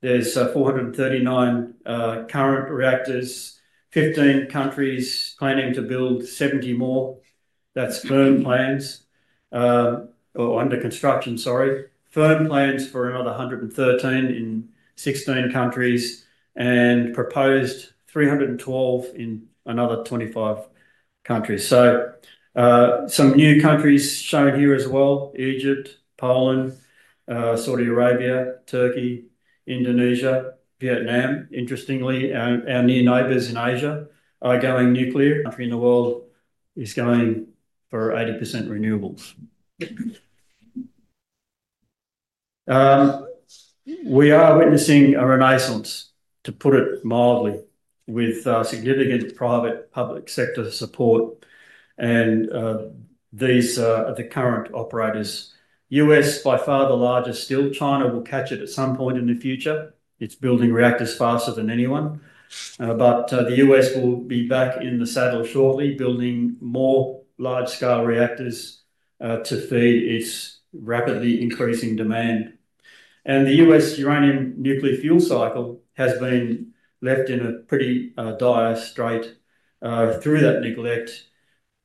There's 439 current reactors, 15 countries planning to build 70 more. That's firm plans or under construction, sorry. Firm plans for another 113 in 16 countries and proposed 312 in another 25 countries. Some new countries shown here as well, Egypt, Poland, Saudi Arabia, Turkey, Indonesia, Vietnam. Interestingly, our near neighbors in Asia are going nuclear. Country in the world is going for 80% renewables. We are witnessing a renaissance, to put it mildly, with significant private public sector support. These are the current operators. U.S., by far the largest, still China will catch it at some point in the future. It's building reactors faster than anyone. The U.S. will be back in the saddle shortly, building more large-scale reactors to feed its rapidly increasing demand. The U.S. uranium nuclear fuel cycle has been left in a pretty dire strait through that neglect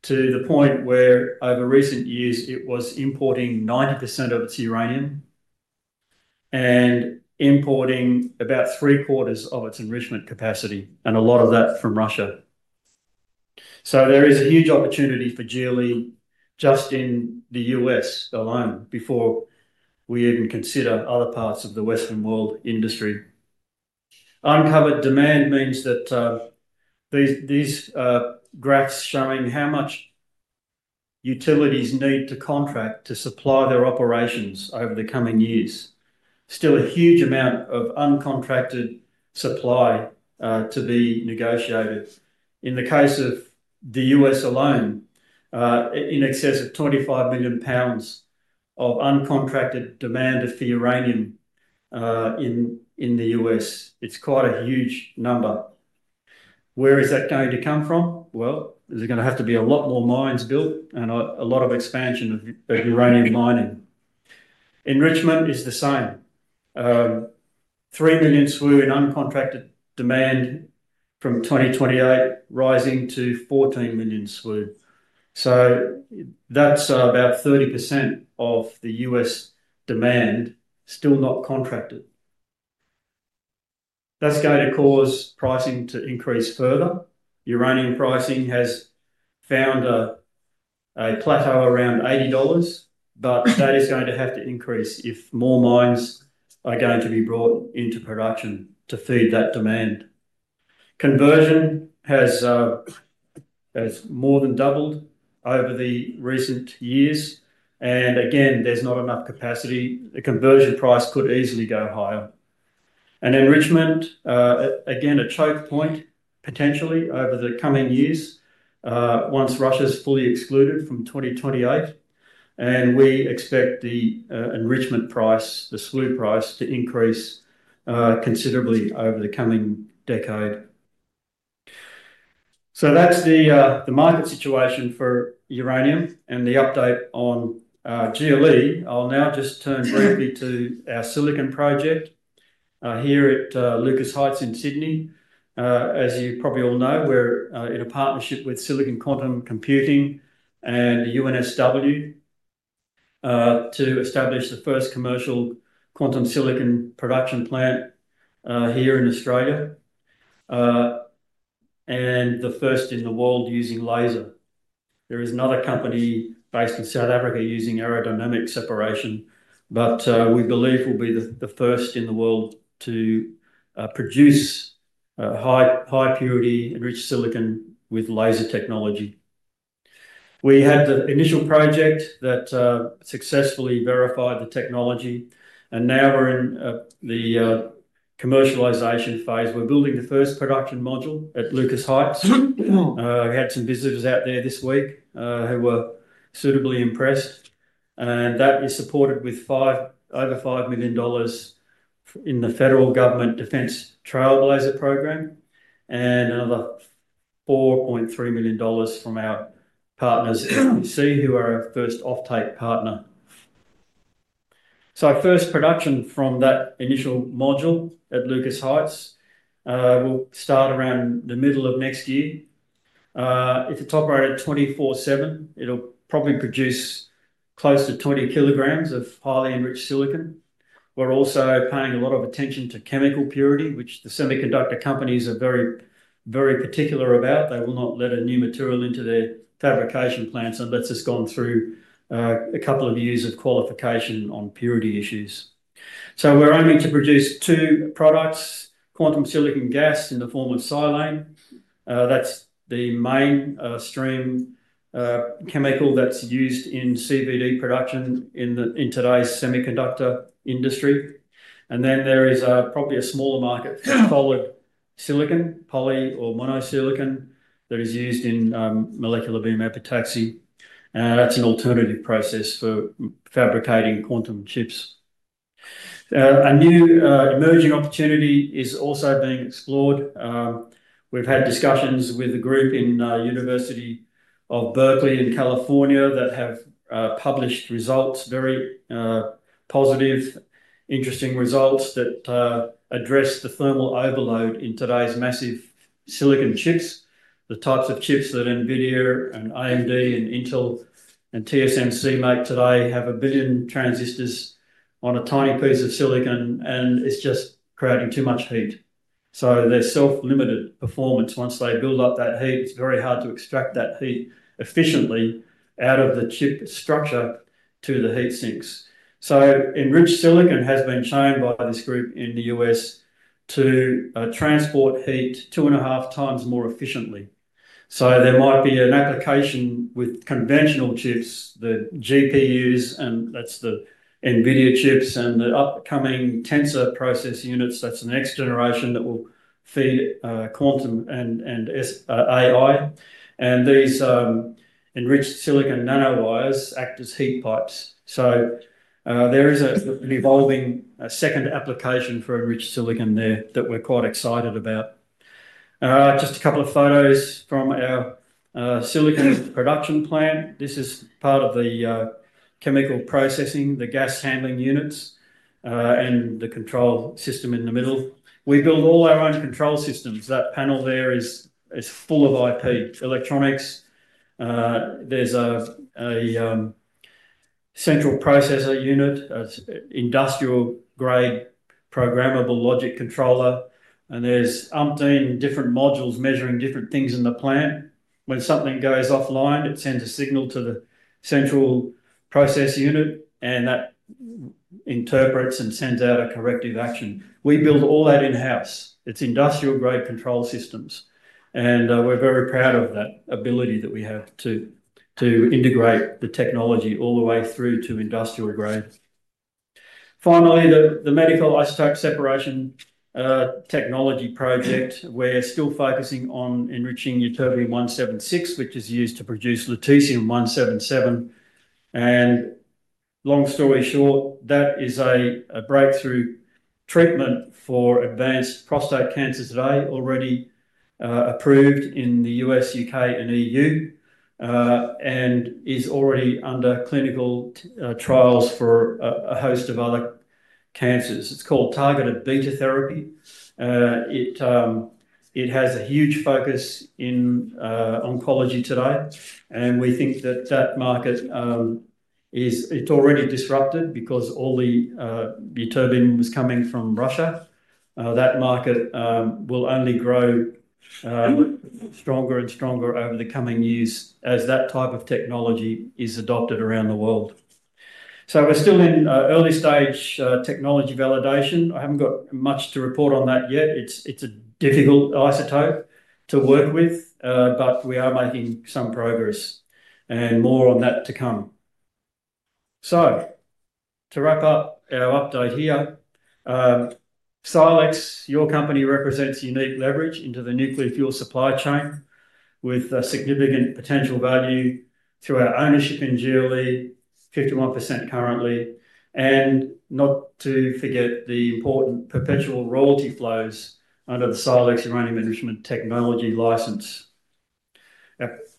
to the point where over recent years it was importing 90% of its uranium and importing about three quarters of its enrichment capacity, and a lot of that from Russia. There is a huge opportunity for GLE just in the U.S. alone before we even consider other parts of the Western world industry. Uncovered demand means that these graphs showing how much utilities need to contract to supply their operations over the coming years. Still a huge amount of uncontracted supply to be negotiated. In the case of the U.S. alone, in excess of 25 million pounds of uncontracted demand of the uranium in the U.S. It's quite a huge number. Where is that going to come from? There's going to have to be a lot more mines built and a lot of expansion of uranium mining. Enrichment is the same. 3 million SWU in uncontracted demand from 2028 rising to 14 million SWU. That's about 30% of the U.S. demand still not contracted. That's going to cause pricing to increase further. Uranium pricing has found a plateau around 80 dollars, but that is going to have to increase if more mines are going to be brought into production to feed that demand. Conversion has more than doubled over the recent years, and again, there's not enough capacity. A conversion price could easily go higher. Enrichment, again, is a choke point potentially over the coming years once Russia is fully excluded from 2028. We expect the enrichment price, the SWU price, to increase considerably over the coming decade. That's the market situation for uranium and the update on GLE. I'll now just turn briefly to our silicon project here at Lucas Heights in Sydney. As you probably all know, we're in a partnership with Silicon Quantum Computing and the UNSW to establish the first commercial quantum silicon production plant here in Australia and the first in the world using laser. There is another company based in South Africa using aerodynamic separation, but we believe we'll be the first in the world to produce high-purity enriched silicon with laser technology. We had the initial project that successfully verified the technology, and now we're in the commercialization phase. We're building the first production module at Lucas Heights. We had some visitors out there this week who were suitably impressed. That is supported with over 5 million dollars in the federal government defense trailblazer program and another 4.3 million dollars from our partners who are our first off-take partner. Our first production from that initial module at Lucas Heights will start around the middle of next year. It's a top-rated 24/7. It'll probably produce close to 20 kg of highly enriched silicon. We're also paying a lot of attention to chemical purity, which the semiconductor companies are very, very particular about. They will not let a new material into their fabrication plants unless it's gone through a couple of years of qualification on purity issues. We're aiming to produce two products, quantum silicon gas in the form of silane. That's the mainstream chemical that's used in CVD production in today's semiconductor industry. There is probably a smaller market for polysilicon, poly or monosilicon that is used in molecular beam epitaxy. That's an alternative process for fabricating quantum chips. A new emerging opportunity is also being explored. We've had discussions with a group at the University of California, Berkeley, that have published very positive, interesting results that address the thermal overload in today's massive silicon chips. The types of chips that NVIDIA, AMD, Intel, and TSMC make today have a billion transistors on a tiny piece of silicon, and it's just creating too much heat. There's self-limited performance. Once they build up that heat, it's very hard to extract that heat efficiently out of the chip structure to the heat sinks. Enriched silicon has been shown by this group in the U.S. to transport heat 2.5x more efficiently. There might be an application with conventional chips, the GPUs, and that's the NVIDIA chips and the upcoming tensor processing units. That's the next generation that will feed quantum and AI. These enriched silicon nanowires act as heat pipes. There is an evolving second application for enriched silicon there that we're quite excited about. Just a couple of photos from our silicon production plant. This is part of the chemical processing, the gas handling units, and the control system in the middle. We build all our own control systems. That panel there is full of IP electronics. There's a central processor unit, an industrial-grade programmable logic controller, and there's umpteen different modules measuring different things in the plant. When something goes offline, it sends a signal to the central processor unit, and that interprets and sends out a corrective action. We build all that in-house. It's industrial-grade control systems, and we're very proud of that ability that we have to integrate the technology all the way through to industrial grade. Finally, the medical isotope separation technology project, we're still focusing on enriching Ytterbium-176, which is used to produce Lutetium-177. Long story short, that is a breakthrough treatment for advanced prostate cancer today, already approved in the U.S., U.K., and EU, and is already under clinical trials for a host of other cancers. It's called targeted beta therapy. It has a huge focus in oncology today. We think that that market is already disrupted because all the Lutetium was coming from Russia. That market will only grow stronger and stronger over the coming years as that type of technology is adopted around the world. We're still in early stage technology validation. I haven't got much to report on that yet. It's a difficult isotope to work with, but we are making some progress and more on that to come. To wrap up our update here, Silex, your company, represents unique leverage into the nuclear fuel supply chain with significant potential value through our ownership in GLE, 51% currently, and not to forget the important perpetual royalty flows under the SILEX Uranium Enrichment Technology license.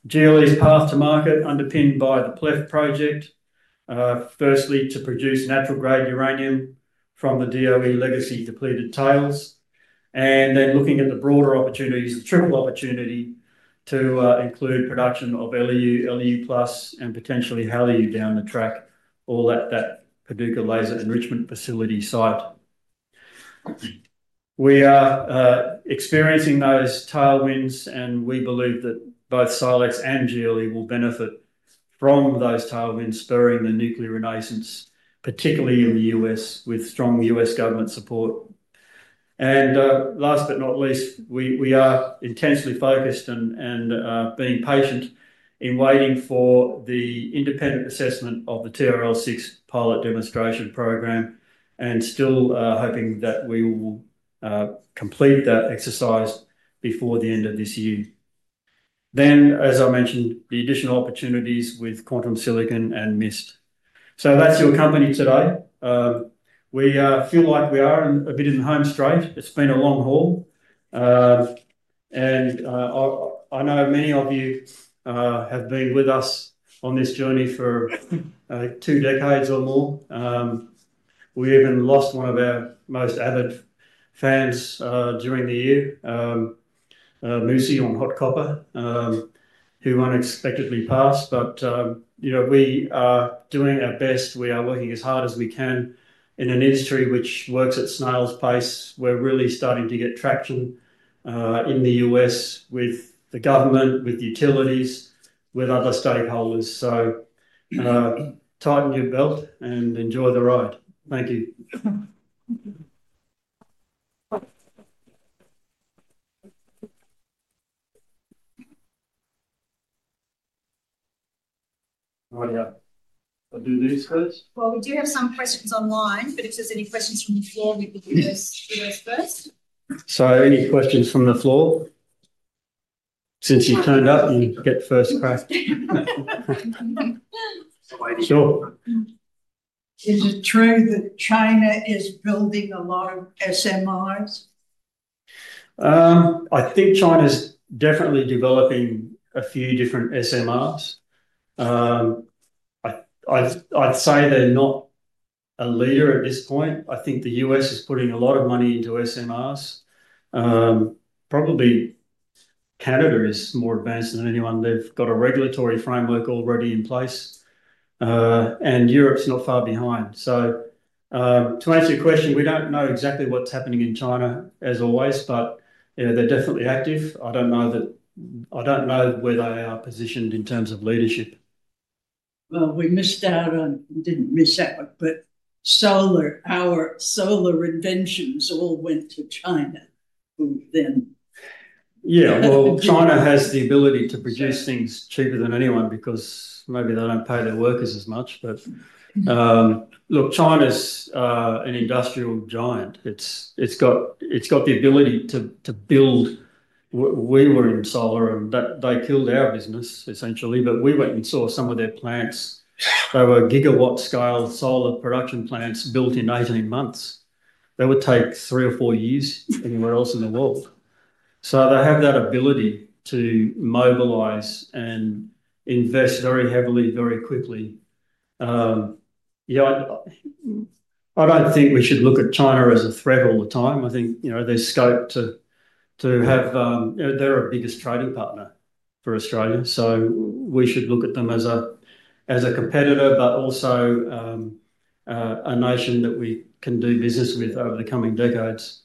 GLE's path to market, underpinned by the PLEF project, is firstly to produce natural-grade uranium from the DOE legacy depleted tails, and then looking at the broader opportunities, the triple opportunity to include production of LEU, LEU+, and potentially HALEU down the track, all at that Paducah Laser Enrichment Facility site. We are experiencing those tailwinds, and we believe that both Silex and GLE will benefit from those tailwinds spurring the nuclear renaissance, particularly in the U.S., with strong U.S. government support. Last but not least, we are intensely focused and being patient in waiting for the independent assessment of the TRL-6 pilot demonstration program and still hoping that we will complete that exercise before the end of this year. As I mentioned, the additional opportunities with Quantum Silicon and MIST. That's your company today. We feel like we are a bit in the home straight. It's been a long haul. I know many of you have been with us on this journey for two decades or more. We even lost one of our most avid fans during the year, Moosey on Hot Copper, who unexpectedly passed. You know we are doing our best. We are working as hard as we can in an industry which works at snail's pace. We're really starting to get traction in the U.S. with the government, with utilities, with other stakeholders. Tighten your belt and enjoy the ride. Thank you. I'll do these first. We do have some questions online, but if there's any questions from the floor, we can do those first. Any questions from the floor? Since you've turned up, you can get the first question. Sure. Is it true that China is building a lot of SMRs? I think China is definitely developing a few different SMRs. I'd say they're not a leader at this point. I think the U.S. is putting a lot of money into SMRs. Probably Canada is more advanced than anyone. They've got a regulatory framework already in place. Europe's not far behind. To answer your question, we don't know exactly what's happening in China, as always, but they're definitely active. I don't know where they are positioned in terms of leadership. Our solar inventions all went to China, who then? China has the ability to produce things cheaper than anyone because maybe they don't pay their workers as much. Look, China's an industrial giant. It's got the ability to build. We were in solar and they killed our business essentially, but we went and saw some of their plants. They were gigawatt-scale solar production plants built in 18 months. They would take three or four years anywhere else in the world. They have that ability to mobilize and invest very heavily, very quickly. I don't think we should look at China as a threat all the time. I think there's scope to have, you know, they're our biggest trading partner for Australia. We should look at them as a competitor, but also a nation that we can do business with over the coming decades.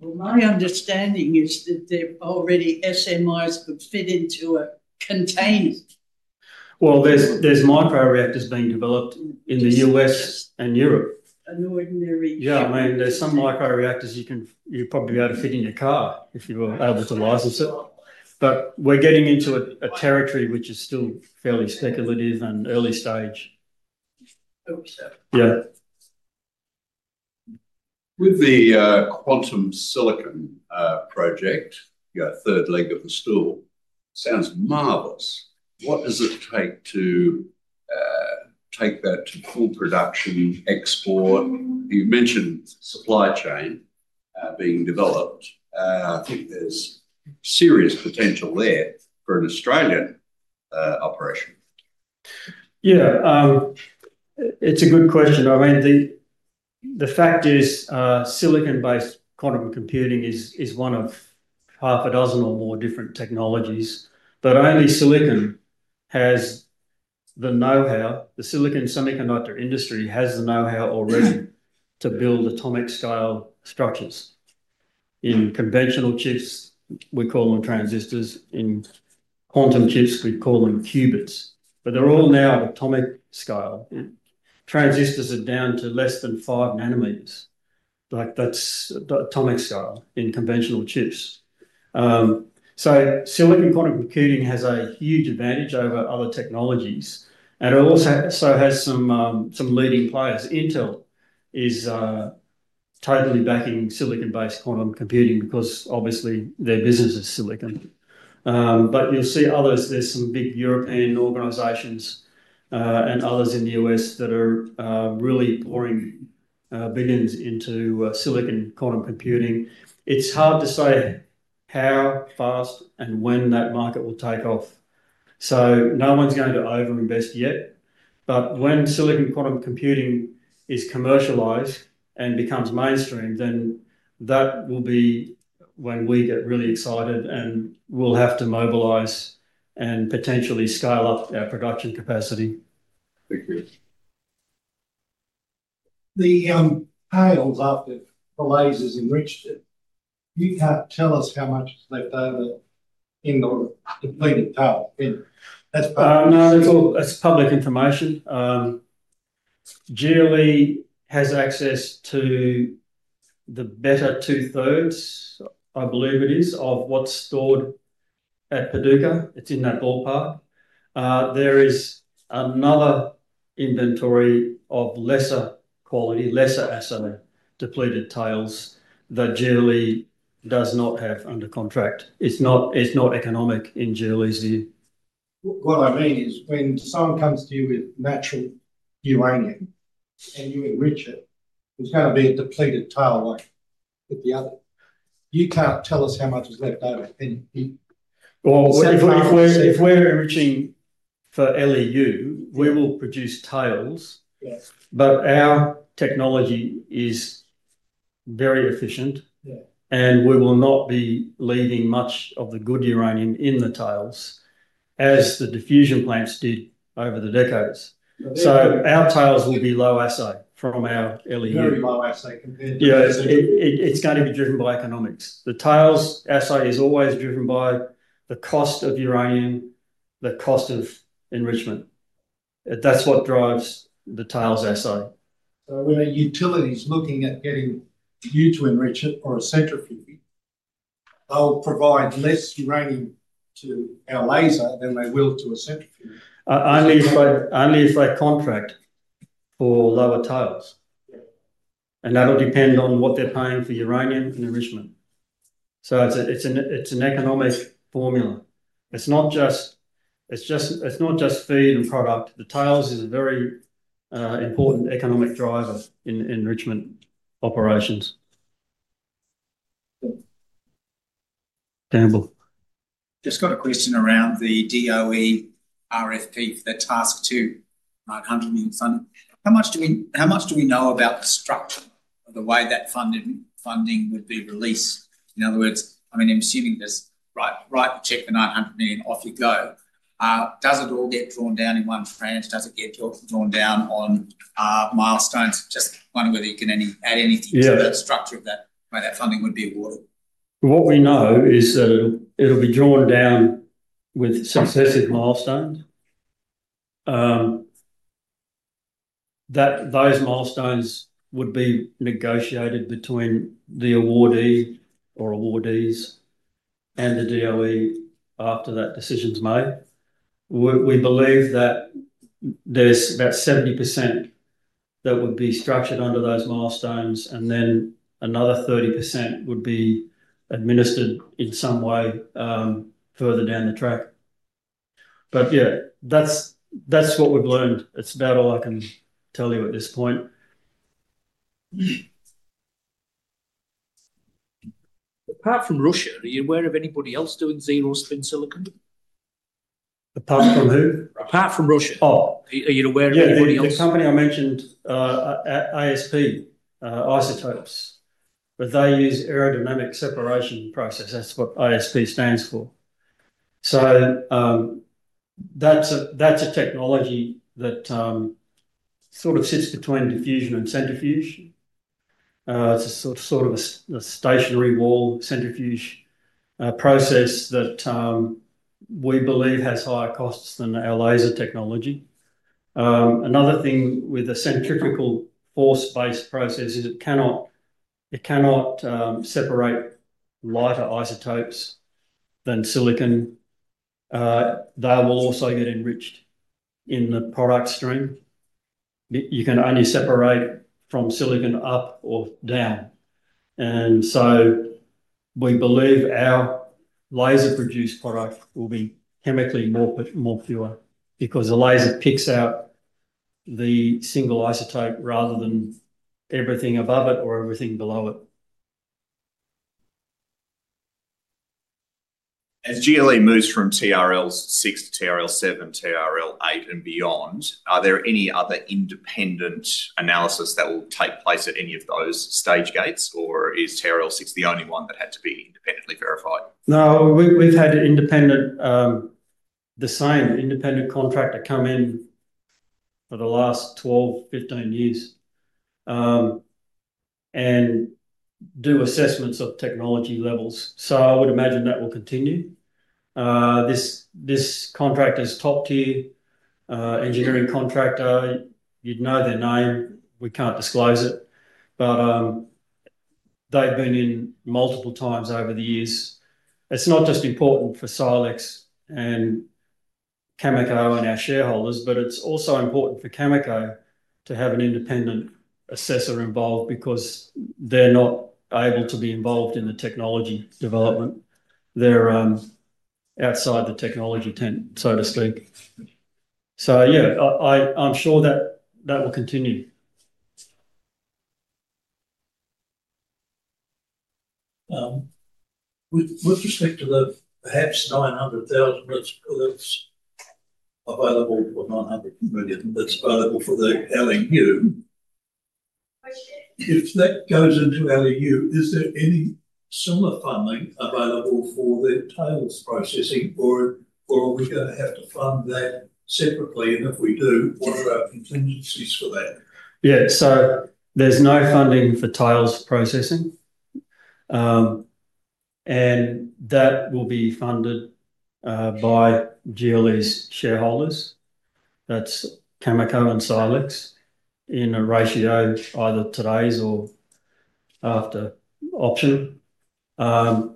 My understanding is that they're already SMRs could fit into a container. There are micro reactors being developed in the US and Europe. An ordinary job. Yeah, I mean, there are some micro reactors you can, you'd probably be able to fit in your car if you were able to license it. We're getting into a territory which is still fairly speculative and early stage. Hope so. Yeah. Quantum Silicon Production for Quantum Computing project, your third leg of the stool, sounds marvelous. What does it take to take that to full production, export? You mentioned supply chain being developed. I think there's serious potential there for an Australian operation. Yeah, it's a good question. I mean, the fact is silicon-based quantum computing is one of half a dozen or more different technologies. Only silicon has the know-how. The silicon semiconductor industry has the know-how already to build atomic-scale structures. In conventional chips, we call them transistors. In quantum chips, we call them qubits. They're all now atomic scale. Transistors are down to less than five nanometers. That's atomic scale in conventional chips. Silicon quantum computing has a huge advantage over other technologies. It also has some leading players. Intel is totally backing silicon-based quantum computing because obviously their business is silicon. You'll see others, there are some big European organizations and others in the U.S. that are really pouring billions into silicon quantum computing. It's hard to say how fast and when that market will take off. No one's going to overinvest yet. When silicon quantum computing is commercialized and becomes mainstream, that will be when we get really excited and we'll have to mobilize and potentially scale up our production capacity. The panels after the lasers enriched it, you can't tell us how much is left over in the completed panel. No, it's all, it's public information. GLE has access to the better two-thirds, I believe it is, of what's stored at Paducah. It's in that ballpark. There is another inventory of lesser quality, lesser assay depleted tails that GLE does not have under contract. It's not economic in GLE's view. What I mean is when someone comes to you with natural uranium and you enrich it, there's going to be a depleted tail like with the other. You can't tell us how much is left over. If we're enriching for LEU, we will produce tails. Our technology is very efficient, and we will not be leaving much of the good uranium in the tails as the diffusion plants did over the decades. Our tails will be low assay from our LEU. Very low assay compared to. Yeah, it's going to be driven by economics. The tails assay is always driven by the cost of uranium, the cost of enrichment. That's what drives the tails assay. Are there utilities looking at getting you to enrich it or a centrifuge? They'll provide less uranium to our laser than they will to a centrifuge. Only if they contract for lower tails. Yeah, that'll depend on what they're paying for uranium and enrichment. It's an economic formula. It's not just feed and product. The tails are a very important economic driver in enrichment operations. Just got a question around the DOE RFP, the Task Two, 900 million funding. How much do we, how much do we know about the structure of the way that funding would be released? In other words, I'm assuming there's a right to check the 900 million off you go. Does it all get drawn down in one tranche? Does it get drawn down on milestones? Just wondering whether you can add anything to the structure of that way that funding would be awarded. What we know is that it'll be drawn down with successive milestones. Those milestones would be negotiated between the awardee or awardees and the DOE after that decision's made. We believe that there's about 70% that would be structured under those milestones, and then another 30% would be administered in some way further down the track. Yeah, that's what we've learned. That's about all I can tell you at this point. Apart from Russia, are you aware of anybody else doing zero spin silicon? Apart from who? Apart from Russia, are you aware of anybody else? The company I mentioned, ISP, Isotopes, but they use aerodynamic separation process. That's what ISP stands for. That's a technology that sort of sits between diffusion and centrifuge. It's a sort of a stationary wall centrifuge process that we believe has higher costs than our laser technology. Another thing with the centrifugal force-based process is it cannot separate lighter isotopes than silicon. They will also get enriched in the product stream. You can only separate from silicon up or down. We believe our laser-produced product will be chemically more pure because the laser picks out the single isotope rather than everything above it or everything below it. As GLE moves from TRL-6 to TRL-7, TRL-8 and beyond, are there any other independent analysis that will take place at any of those stage gates, or is TRL-6 the only one that had to be independently verified? No, we've had the same independent contractor come in for the last 12, 15 years and do assessments of technology levels. I would imagine that will continue. This contractor is a top-tier engineering contractor. You'd know their name. We can't disclose it. They've been in multiple times over the years. It's not just important for Silex and Cameco and our shareholders, it's also important for Cameco to have an independent assessor involved because they're not able to be involved in the technology development. They're outside the technology tent, so to speak. I'm sure that will continue. With respect to the perhaps 900 million lits available for the LEU, if that goes into LEU, is there any similar funding available for the tails processing, or are we going to have to fund that separately? If we do, what are our contingencies for that? Yeah, so there's no funding for tails processing. That will be funded by GLE's shareholders, that's Cameco and Silex in a ratio, either today's or after option. The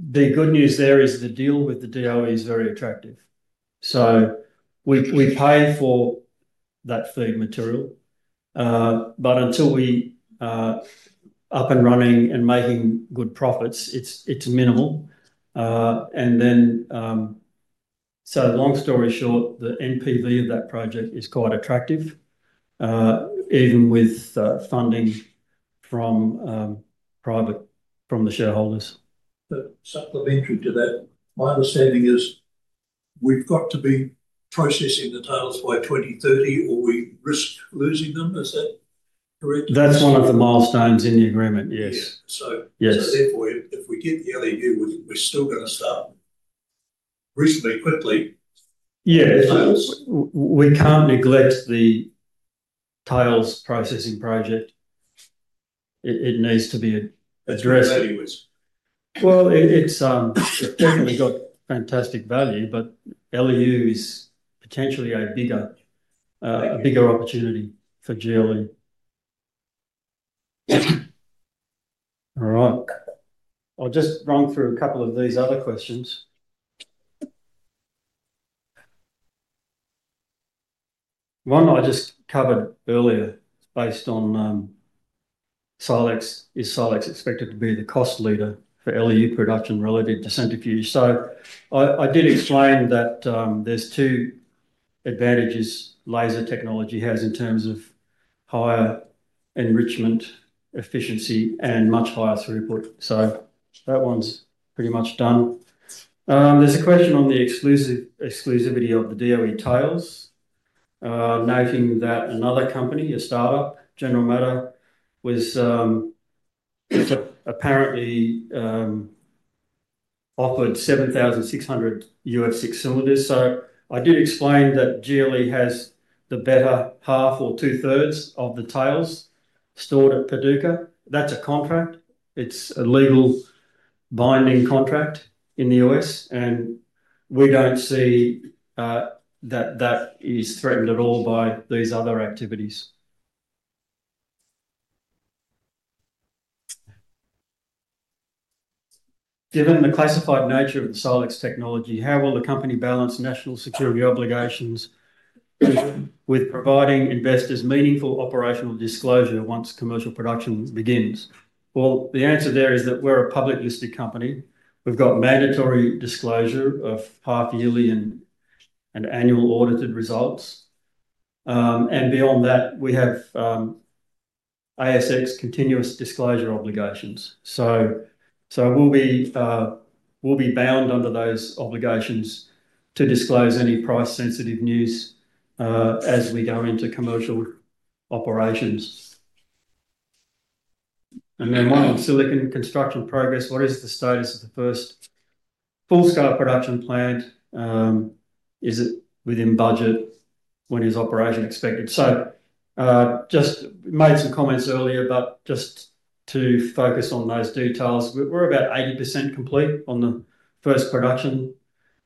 good news there is the deal with the DOE is very attractive. We pay for that feed material, but until we are up and running and making good profits, it's minimal. Long story short, the NPV of that project is quite attractive, even with funding from private, from the shareholders. Supplementary to that, my understanding is we've got to be processing the tails by 2030, or we risk losing them. Is that correct? That's one of the milestones in the agreement, yes. If we get the LEU, we're still going to start reasonably quickly. Yeah, we can't neglect the depleted tails processing project. It needs to be addressed. What's the value of it? It's definitely got fantastic value, but LEU is potentially a bigger opportunity for GLE. I'll just run through a couple of these other questions. One I just covered earlier is based on, is Silex expected to be the cost leader for LEU production related to centrifuge? I did explain that there are two advantages laser technology has in terms of higher enrichment efficiency and much higher throughput. That one's pretty much done. There's a question on the exclusivity of the DOE tails, noting that another company, a startup, General Motors, apparently offered 7,600 UF6 cylinders. I did explain that GLE has the better half or two-thirds of the tails stored at Paducah. That's a contract. It's a legally binding contract in the U.S., and we don't see that is threatened at all by these other activities. Given the classified nature of the SILEX technology, how will the company balance national security obligations with providing investors meaningful operational disclosure once commercial production begins? The answer there is that we're a public listed company. We've got mandatory disclosure of half yearly and annual audited results. Beyond that, we have ASX continuous disclosure obligations. We'll be bound under those obligations to disclose any price-sensitive news as we go into commercial operations. One on silicon construction progress. What is the status of the first full-scale production plant? Is it within budget? When is operation expected? I made some comments earlier, but just to focus on those details, we're about 80% complete on the first production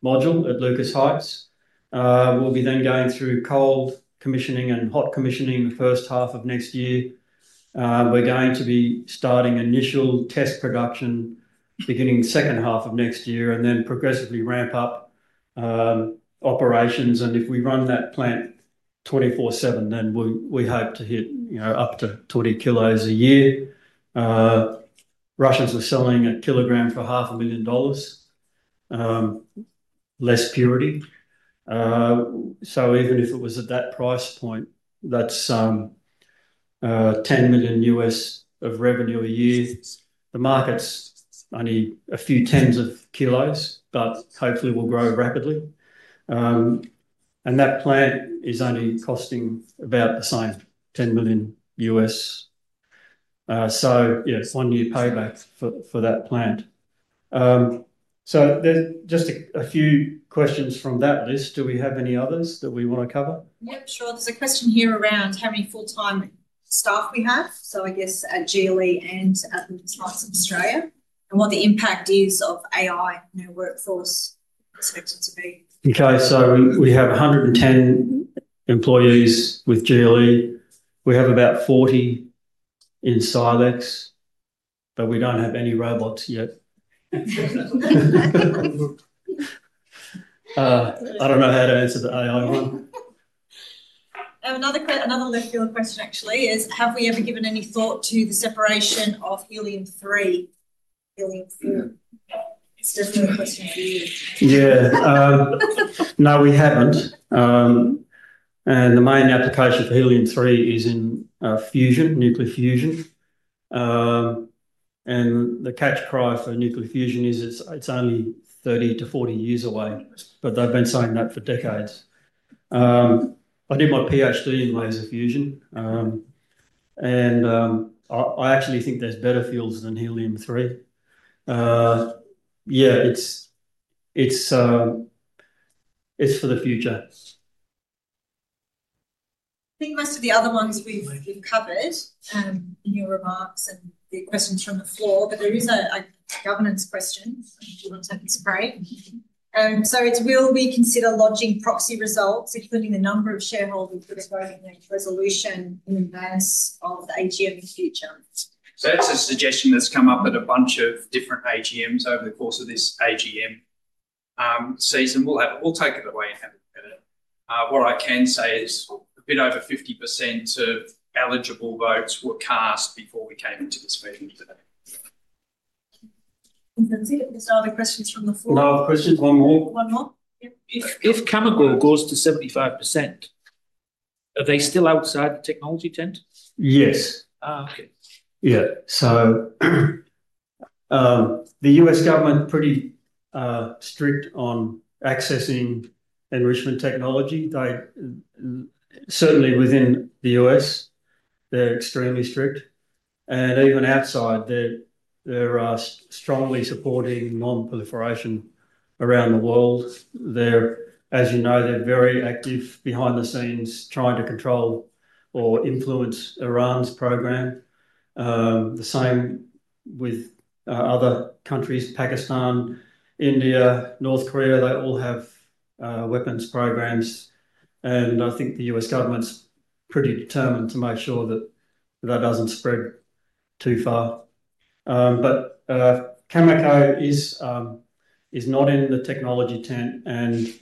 module at Lucas Heights. We'll then be going through cold commissioning and hot commissioning in the first half of next year. We're going to be starting initial test production beginning the second half of next year and then progressively ramp up operations. If we run that plant 24/7, we hope to hit up to 20 kg a year. Russians are selling a kilogram for 500,000 dollars, less purity. Even if it was at that price point, that's $10 million of revenue a year. The market's only a few tens of kilos, but hopefully we'll grow rapidly. That plant is only costing about the same, $10 million. One year payback for that plant. There are just a few questions from that list. Do we have any others that we want to cover? Yep, sure. There's a question here around how many full-time staff we have. I guess at GLE and at Lucas Heights, Australia, and what the impact is of AI in our workforce expected to be. Okay, so we have 110 employees with GLE. We have about 40 in Silex, but we don't have any robots yet. I don't know how to answer the AI one. Another question is, have we ever given any thought to the separation of helium-3? It's definitely a question for you. Yeah, no, we haven't. The main application for helium-3 is in fusion, nuclear fusion. The catch cry for nuclear fusion is it's only 30-40 years away, but they've been saying that for decades. I did my PhD in laser fusion, and I actually think there's better fuels than helium-3. Yeah, it's for the future. I think most of the other ones we've covered in your remarks and the questions from the floor, but there is a governance question. If you want to take a break. It's, will we consider lodging proxy results, including the number of shareholders that are voting in each resolution in advance of the AGM in the future? That's a suggestion that's come up at a bunch of different AGMs over the course of this AGM season. We'll take it away and have a look at it. What I can say is a bit over 50% of eligible votes were cast before we came into this meeting today. Thanks, Nancy. Are there other questions from the floor? Another question, one more. One more. If Cameco goes to 75%, are they still outside the technology tent? Yes. Oh, okay. Yeah, the U.S. government is pretty strict on accessing enrichment technology. Certainly within the U.S., they're extremely strict, and even outside, they're strongly supporting non-proliferation around the world. As you know, they're very active behind the scenes trying to control or influence Iran's program. The same with other countries: Pakistan, India, North Korea. They all have weapons programs. I think the U.S. government's pretty determined to make sure that doesn't spread too far. Cameco is not in the technology tent and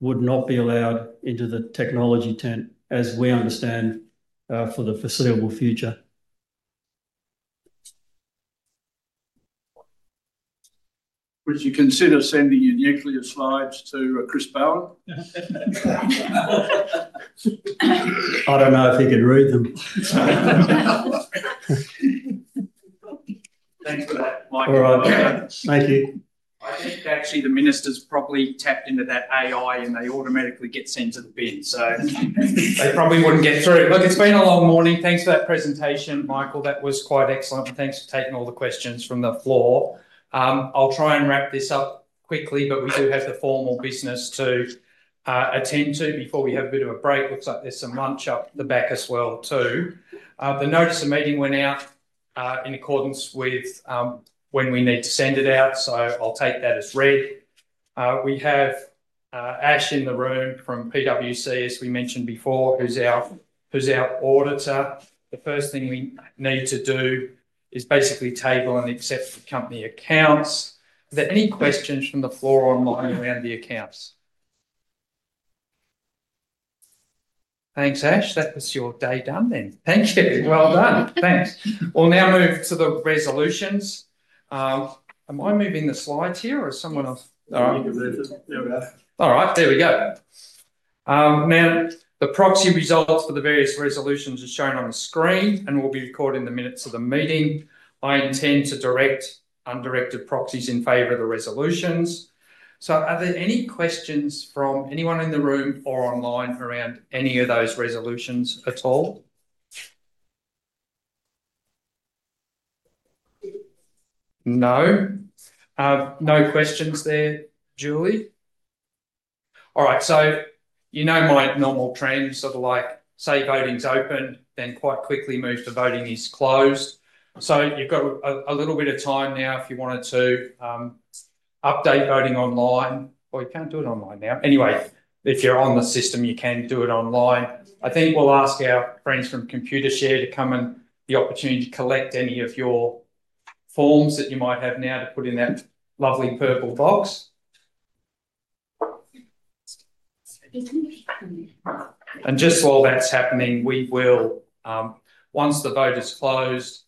would not be allowed into the technology tent as we understand for the foreseeable future. Would you consider sending your nuclear slides to Chris Bowen? I don't know if he could read them. Thanks for that, Michael. All right, thank you. I think actually the ministers probably tapped into that AI and they automatically get sent to the bin, so they probably wouldn't get through. Look, it's been a long morning. Thanks for that presentation, Michael. That was quite excellent. Thanks for taking all the questions from the floor. I'll try and wrap this up quickly, but we do have the formal business to attend to before we have a bit of a break. Looks like there's some lunch up the back as well, too. The notice of meeting went out in accordance with when we need to send it out, so I'll take that as read. We have Ash in the room from PwC, as we mentioned before, who's our auditor. The first thing we need to do is basically table and accept the company accounts. Are there any questions from the floor online around the accounts? Thanks, Ash. That was your day done then. Thank you. Thanks. We'll now move to the resolutions. Am I moving the slides here or is someone else? There we are. All right, there we go. Now, the proxy results for the various resolutions are shown on the screen and will be recorded in the minutes of the meeting. I intend to direct undirected proxies in favor of the resolutions. Are there any questions from anyone in the room or online around any of those resolutions at all? No? No questions there, Julie? All right, you know my normal trend, sort of like say voting's open, then quite quickly move to voting is closed. You've got a little bit of time now if you wanted to update voting online. You can't do it online now. Anyway, if you're on the system, you can do it online. I think we'll ask our friends from Computershare to come and the opportunity to collect any of your forms that you might have now to put in that lovely purple box. Just while that's happening, once the vote is closed,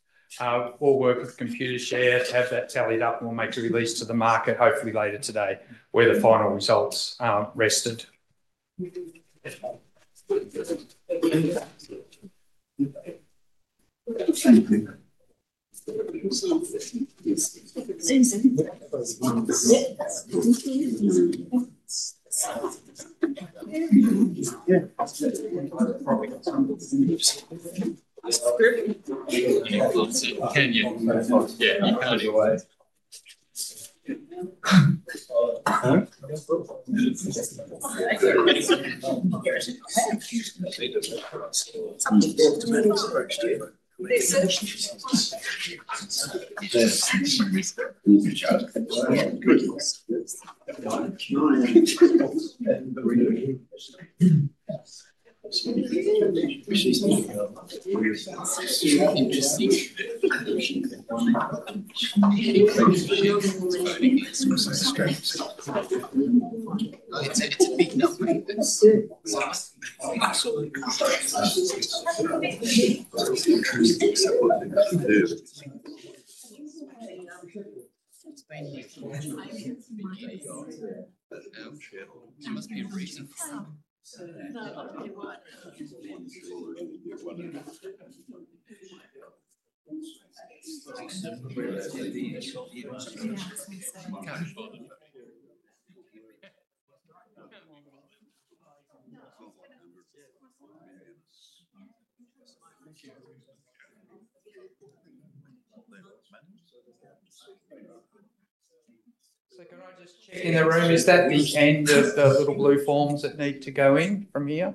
we'll work with Computershare to have that tallied up and we'll make a release to the market hopefully later today where the final results rested. Can I just check in the room? Is that the end of the little blue forms that need to go in from here?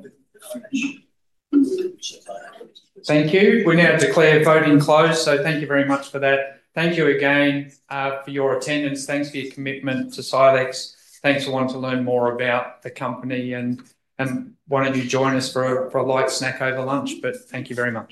Thank you. We're now declared voting closed. Thank you very much for that. Thank you again for your attendance. Thanks for your commitment to Silex. Thanks for wanting to learn more about the company and wanting to join us for a light snack over lunch. Thank you very much.